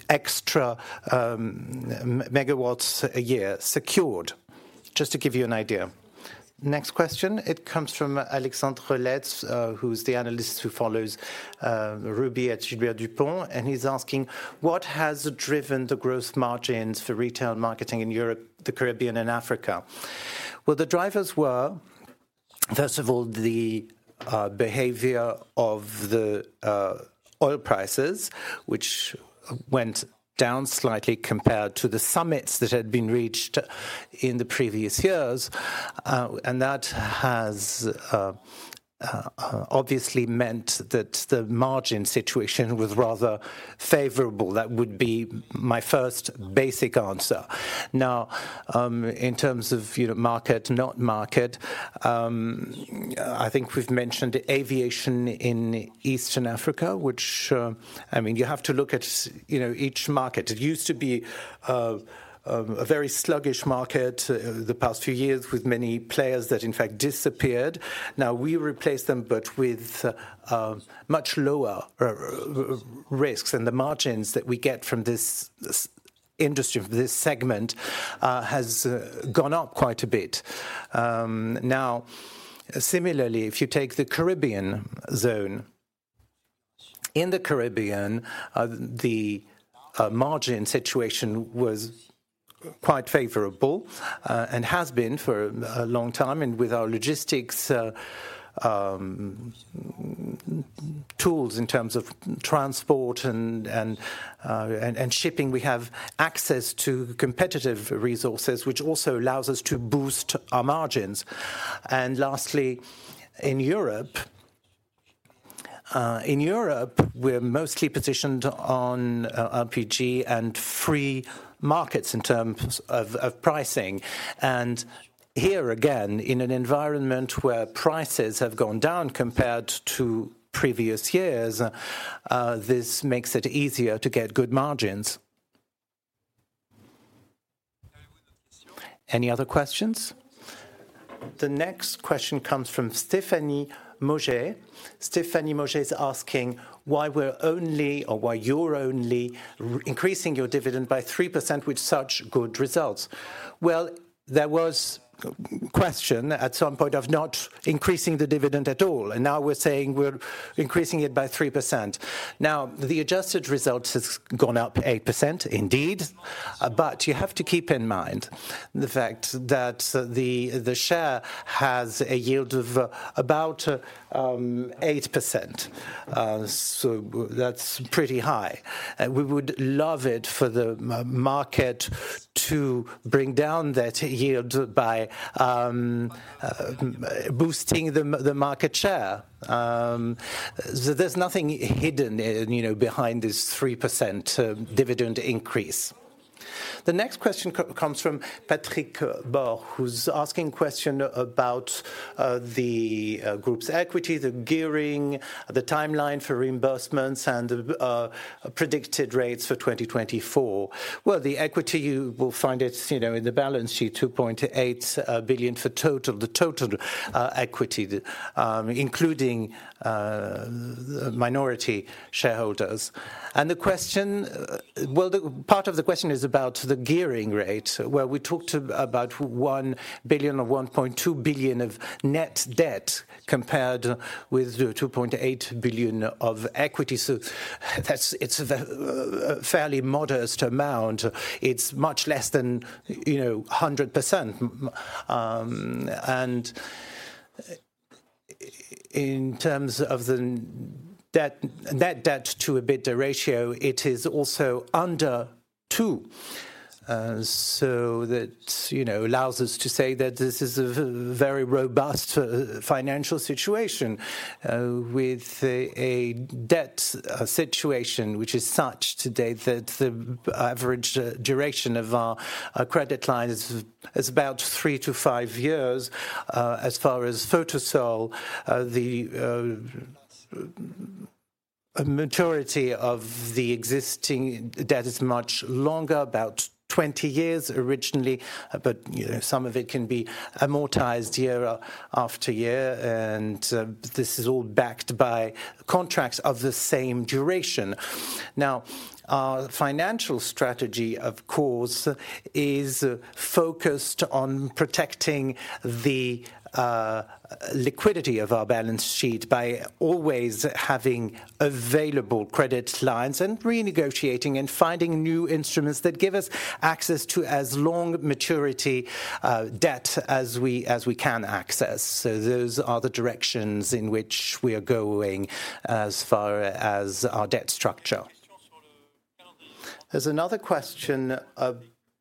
extra MW a year secured, just to give you an idea. Next question, it comes from Alexandre Ilet, who's the analyst who follows Rubis at Gilbert Dupont, and he's asking: "What has driven the growth margins for retail marketing in Europe, the Caribbean, and Africa?" Well, the drivers were, first of all, the behavior of the oil prices, which went down slightly compared to the summits that had been reached in the previous years. And that has obviously meant that the margin situation was rather favorable. That would be my first basic answer. Now, in terms of, you know, market, not market, I think we've mentioned aviation in Eastern Africa, which... I mean, you have to look at you know, each market. It used to be a very sluggish market, the past few years, with many players that, in fact, disappeared. Now, we replaced them, but with much lower risks, and the margins that we get from this industry, from this segment, has gone up quite a bit. Now, similarly, if you take the Caribbean zone, in the Caribbean, the margin situation was quite favorable, and has been for a long time. And with our logistics tools in terms of transport and shipping, we have access to competitive resources, which also allows us to boost our margins. And lastly, in Europe, in Europe, we're mostly positioned on LPG and free markets in terms of pricing. And here, again, in an environment where prices have gone down compared to previous years, this makes it easier to get good margins. Any other questions? The next question comes from St`ephanie Maug`e. St`ephanie Maug`e is asking, "Why we're only, or why you're only, increasing your dividend by 3% with such good results?" Well, there was question at some point of not increasing the dividend at all, and now we're saying we're increasing it by 3%. Now, the adjusted results has gone up 8%, indeed, but you have to keep in mind the fact that the share has a yield of about 8%, so that's pretty high. And we would love it for the market to bring down that yield by boosting the market share. There's nothing hidden in, you know, behind this 3% dividend increase. The next question comes from Patrick Boh, who's asking question about the group's equity, the gearing, the timeline for reimbursements, and the predicted rates for 2024. Well, the equity, you will find it, you know, in the balance sheet, 2.8 billion for the total equity, including the minority shareholders. And the question... Well, the part of the question is about the gearing rate, where we talked about 1 billion or 1.2 billion of net debt, compared with the 2.8 billion of equity. So that's, it's a fairly modest amount. It's much less than, you know, 100%. And in terms of the net debt to EBITDA ratio, it is also under 2. So that, you know, allows us to say that this is a very robust financial situation with a debt situation which is such today that the average duration of our credit lines is about 3-5 years. As far as Photosol, the maturity of the existing debt is much longer, about 20 years originally, but, you know, some of it can be amortized year after year, and this is all backed by contracts of the same duration. Now, our financial strategy, of course, is focused on protecting the liquidity of our balance sheet by always having available credit lines and renegotiating and finding new instruments that give us access to as long maturity debt as we, as we can access. So those are the directions in which we are going as far as our debt structure. There's another question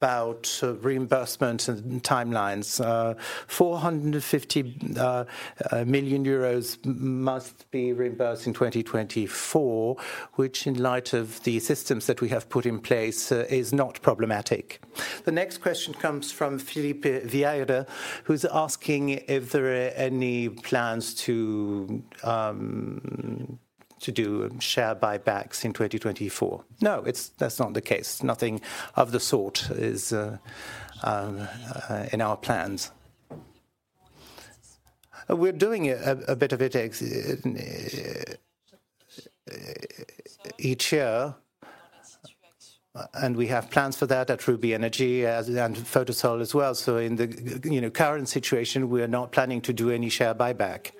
about reimbursement and timelines. 450 million euros must be reimbursed in 2024, which in light of the systems that we have put in place, is not problematic. The next question comes from Philippe Vieira, who's asking if there are any plans to do share buybacks in 2024. No, that's not the case. Nothing of the sort is in our plans. We're doing a bit of it each year, and we have plans for that at Rubis Énergie and Photosol as well. So in the, you know, current situation, we are not planning to do any share buyback.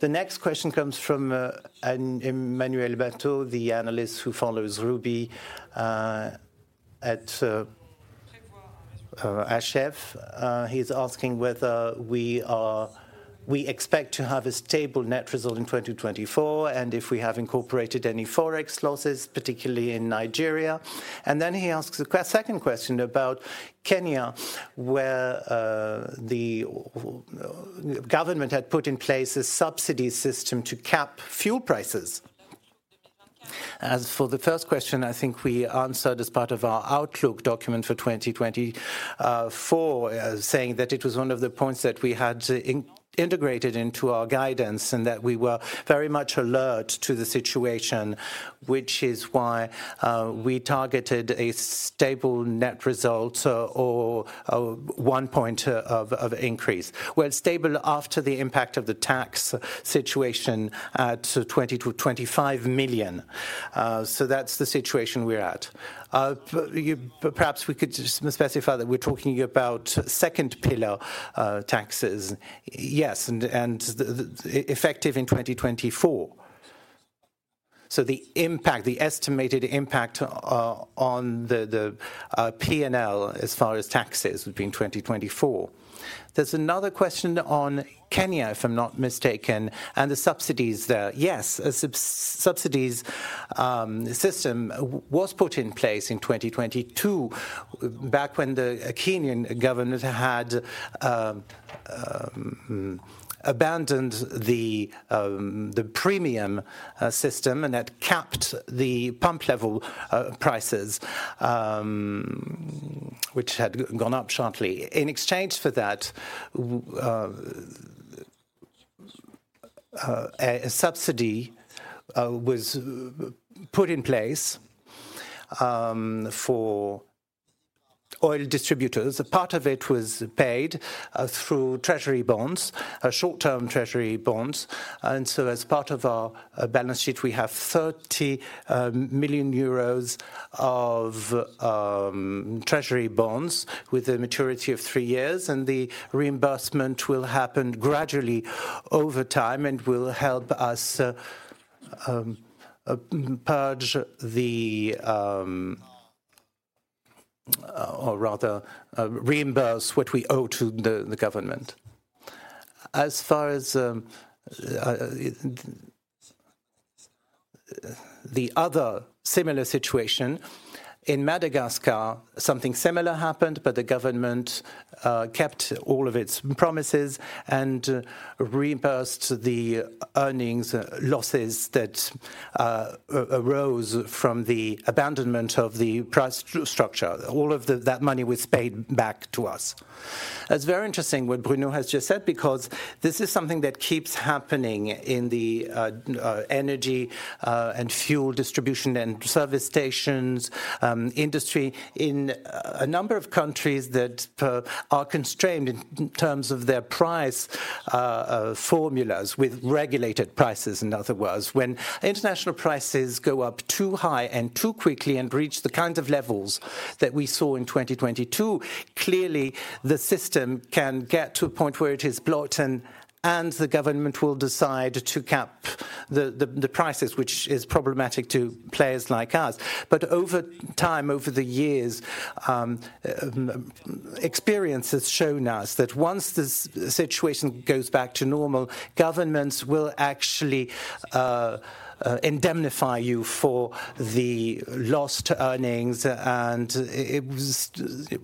The next question comes from an Emmanuel Matot, the analyst who follows Rubis at Oddo BHF. He's asking whether we expect to have a stable net result in 2024, and if we have incorporated any Forex losses, particularly in Nigeria. And then he asks a second question about Kenya, where the government had put in place a subsidy system to cap fuel prices. As for the first question, I think we answered as part of our outlook document for 2024, saying that it was one of the points that we had integrated into our guidance, and that we were very much alert to the situation, which is why we targeted a stable net result or one point of increase. Well, stable after the impact of the tax situation, at 20-25 million. So that's the situation we're at. Perhaps we could just specify that we're talking about second pillar taxes. Yes, and effective in 2024. So the impact, the estimated impact, on the P&L as far as taxes would be in 2024. There's another question on Kenya, if I'm not mistaken, and the subsidies there. Yes, a subsidies system was put in place in 2022, back when the Kenyan government had abandoned the premium system and had capped the pump level prices, which had gone up sharply. In exchange for that, a subsidy was put in place for oil distributors. A part of it was paid through treasury bonds, short-term treasury bonds, and so as part of our balance sheet, we have 30 million euros of treasury bonds with a maturity of three years, and the reimbursement will happen gradually over time and will help us purge the... or rather, reimburse what we owe to the government. As far as the other similar situation, in Madagascar, something similar happened, but the government kept all of its promises and reimbursed the earnings losses that arose from the abandonment of the price structure. All of that money was paid back to us. That's very interesting, what Bruno has just said, because this is something that keeps happening in the energy and fuel distribution and service stations industry, in a number of countries that are constrained in terms of their price formulas, with regulated prices, in other words. When international prices go up too high and too quickly and reach the kind of levels that we saw in 2022, clearly, the system can get to a point where it is blocked, and the government will decide to cap the prices, which is problematic to players like us. But over time, over the years, experience has shown us that once this situation goes back to normal, governments will actually indemnify you for the lost earnings, and it was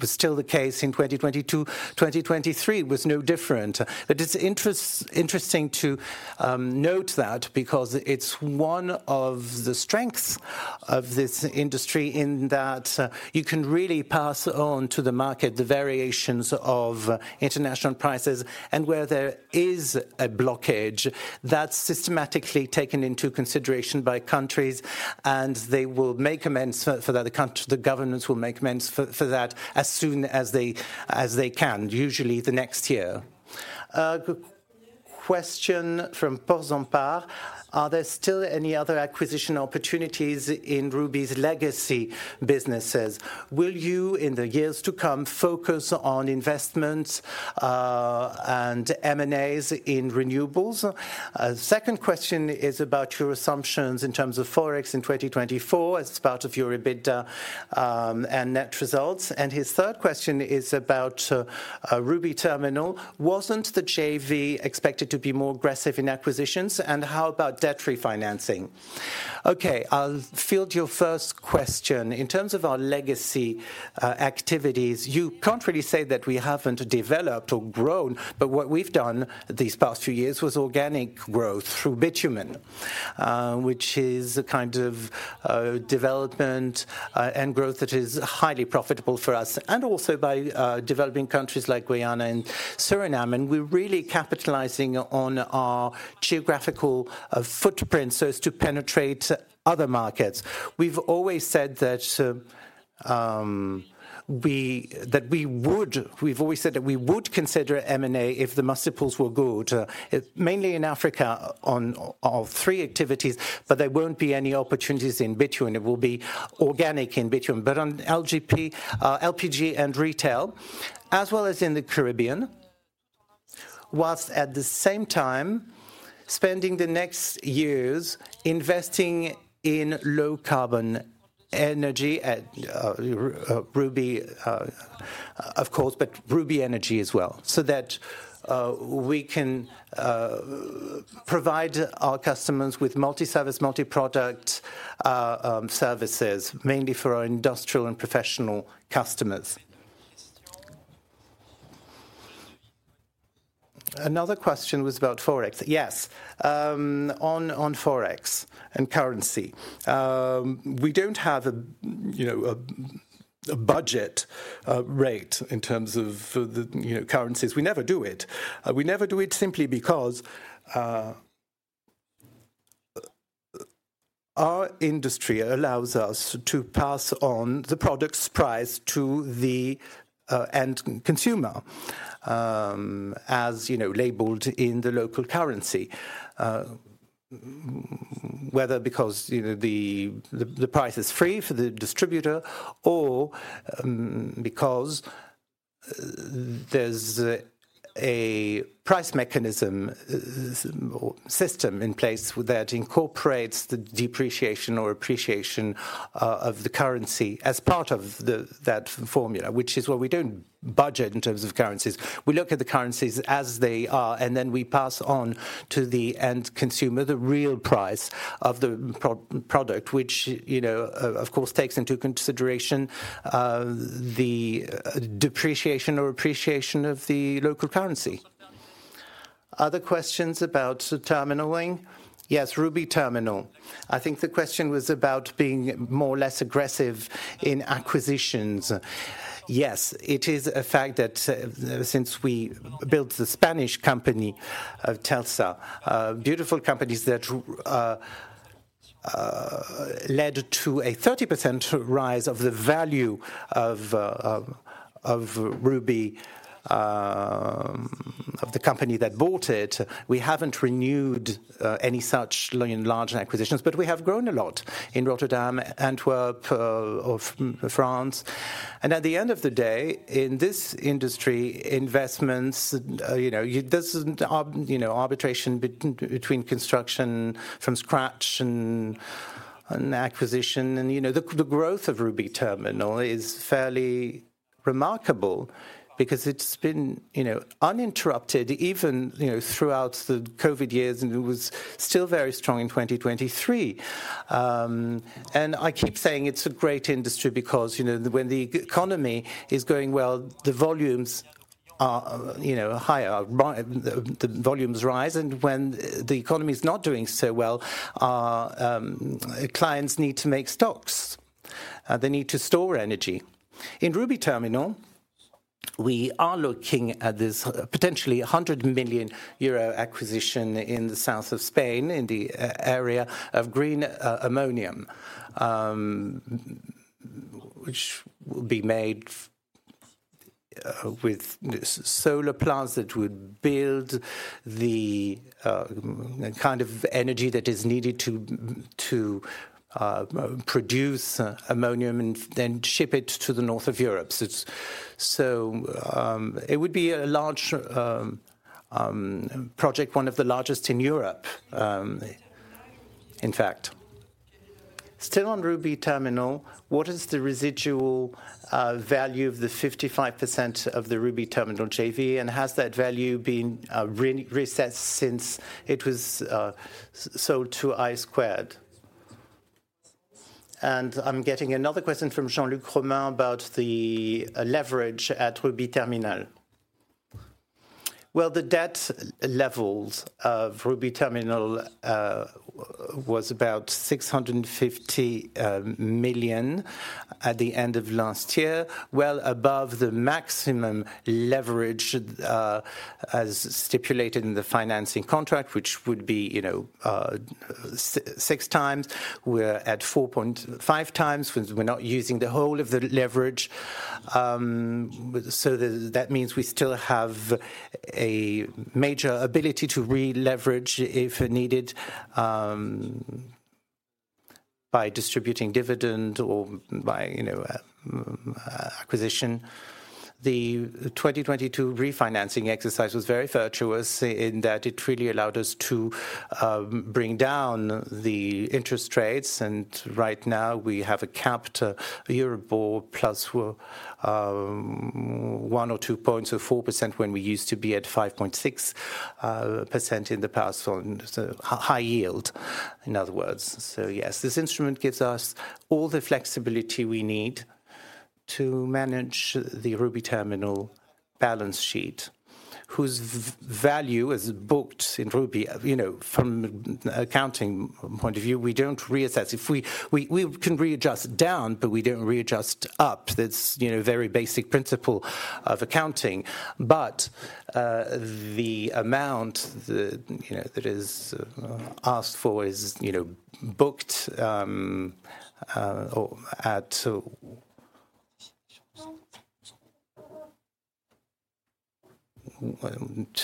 still the case in 2022. 2023 was no different. But it's interesting to note that because it's one of the strengths of this industry, in that you can really pass on to the market the variations of international prices, and where there is a blockage, that's systematically taken into consideration by countries, and they will make amends for that. The governments will make amends for that as soon as they can, usually the next year. Question from Portzamparc: Are there still any other acquisition opportunities in Rubis' legacy businesses? Will you, in the years to come, focus on investments and M&As in renewables? Second question is about your assumptions in terms of Forex in 2024 as part of your EBITDA and net results. And his third question is about Rubis Terminal. Wasn't the JV expected to be more aggressive in acquisitions, and how about debt refinancing? Okay, I'll field your first question. In terms of our legacy activities, you can't really say that we haven't developed or grown, but what we've done these past few years was organic growth through bitumen, which is a kind of development and growth that is highly profitable for us, and also by developing countries like Guyana and Suriname. We're really capitalizing on our geographical footprint so as to penetrate other markets. We've always said that we would consider M&A if the multiples were good, mainly in Africa, on all three activities, but there won't be any opportunities in bitumen. It will be organic in bitumen. But on LGP, LPG and retail, as well as in the Caribbean, while at the same time, spending the next years investing in low-carbon energy at, Rubis, of course, but Rubis Energy as well, so that, we can, provide our customers with multi-service, multi-product, services, mainly for our industrial and professional customers. Another question was about Forex. Yes, on, on Forex and currency. We don't have a, you know, a, a budget, rate in terms of the, you know, currencies. We never do it. We never do it simply because, our industry allows us to pass on the product's price to the, end consumer, as, you know, labeled in the local currency. Whether because, you know, the price is free for the distributor, or because there's a price mechanism or system in place that incorporates the depreciation or appreciation of the currency as part of that formula, which is why we don't budget in terms of currencies. We look at the currencies as they are, and then we pass on to the end consumer the real price of the product, which, you know, of course, takes into consideration the depreciation or appreciation of the local currency. Other questions about the Rubis Terminal? Yes, Rubis Terminal. I think the question was about being more or less aggressive in acquisitions. Yes, it is a fact that, since we built the Spanish company, TEPSA, beautiful companies that led to a 30% rise of the value of, of Rubis, of the company that bought it. We haven't renewed any such large acquisitions, but we have grown a lot in Rotterdam, Antwerp, of France. And at the end of the day, in this industry, investments, you know, there's, you know, arbitration between construction from scratch and acquisition. And, you know, the growth of Rubis Terminal is fairly remarkable because it's been, you know, uninterrupted, even, you know, throughout the COVID years, and it was still very strong in 2023. I keep saying it's a great industry because, you know, when the economy is going well, the volumes are, you know, higher, the volumes rise, and when the economy is not doing so well, our clients need to make stocks. They need to store energy. In Rubis Terminal, we are looking at this potential 100 million euro acquisition in the south of Spain, in the area of green ammonia, which will be made with solar plants that would build the kind of energy that is needed to produce ammonia and then ship it to the north of Europe. So it would be a large project, one of the largest in Europe, in fact. Still on Rubis Terminal, what is the residual value of the 55% of the Rubis Terminal JV, and has that value been reassessed since it was sold to I Squared? And I'm getting another question from Jean-Luc Romain about the leverage at Rubis Terminal. Well, the debt levels of Rubis Terminal was about 650 million at the end of last year, well above the maximum leverage as stipulated in the financing contract, which would be, you know, 6x. We're at 4.5x. We're not using the whole of the leverage. So that means we still have a major ability to re-leverage if needed by distributing dividend or by, you know, acquisition. The 2022 refinancing exercise was very virtuous in that it really allowed us to bring down the interest rates, and right now we have a capped Euribor plus, well, one or two points, so 4%, when we used to be at 5.6% in the past, so high yield, in other words. So yes, this instrument gives us all the flexibility we need to manage the Rubis Terminal balance sheet, whose value is booked in Rubis. You know, from accounting point of view, we don't reassess. If we can readjust down, but we don't readjust up. That's, you know, very basic principle of accounting. But the amount that, you know, that is asked for is, you know, booked or at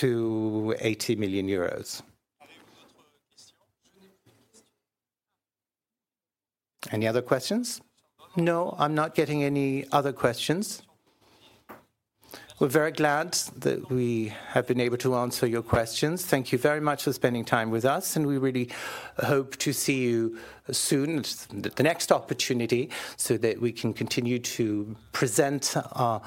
EUR 80 million.... Any other questions? No, I'm not getting any other questions. We're very glad that we have been able to answer your questions. Thank you very much for spending time with us, and we really hope to see you soon at the next opportunity, so that we can continue to present our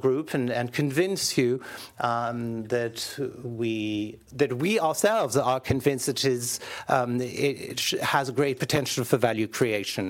group and convince you that we ourselves are convinced it has great potential for value creation.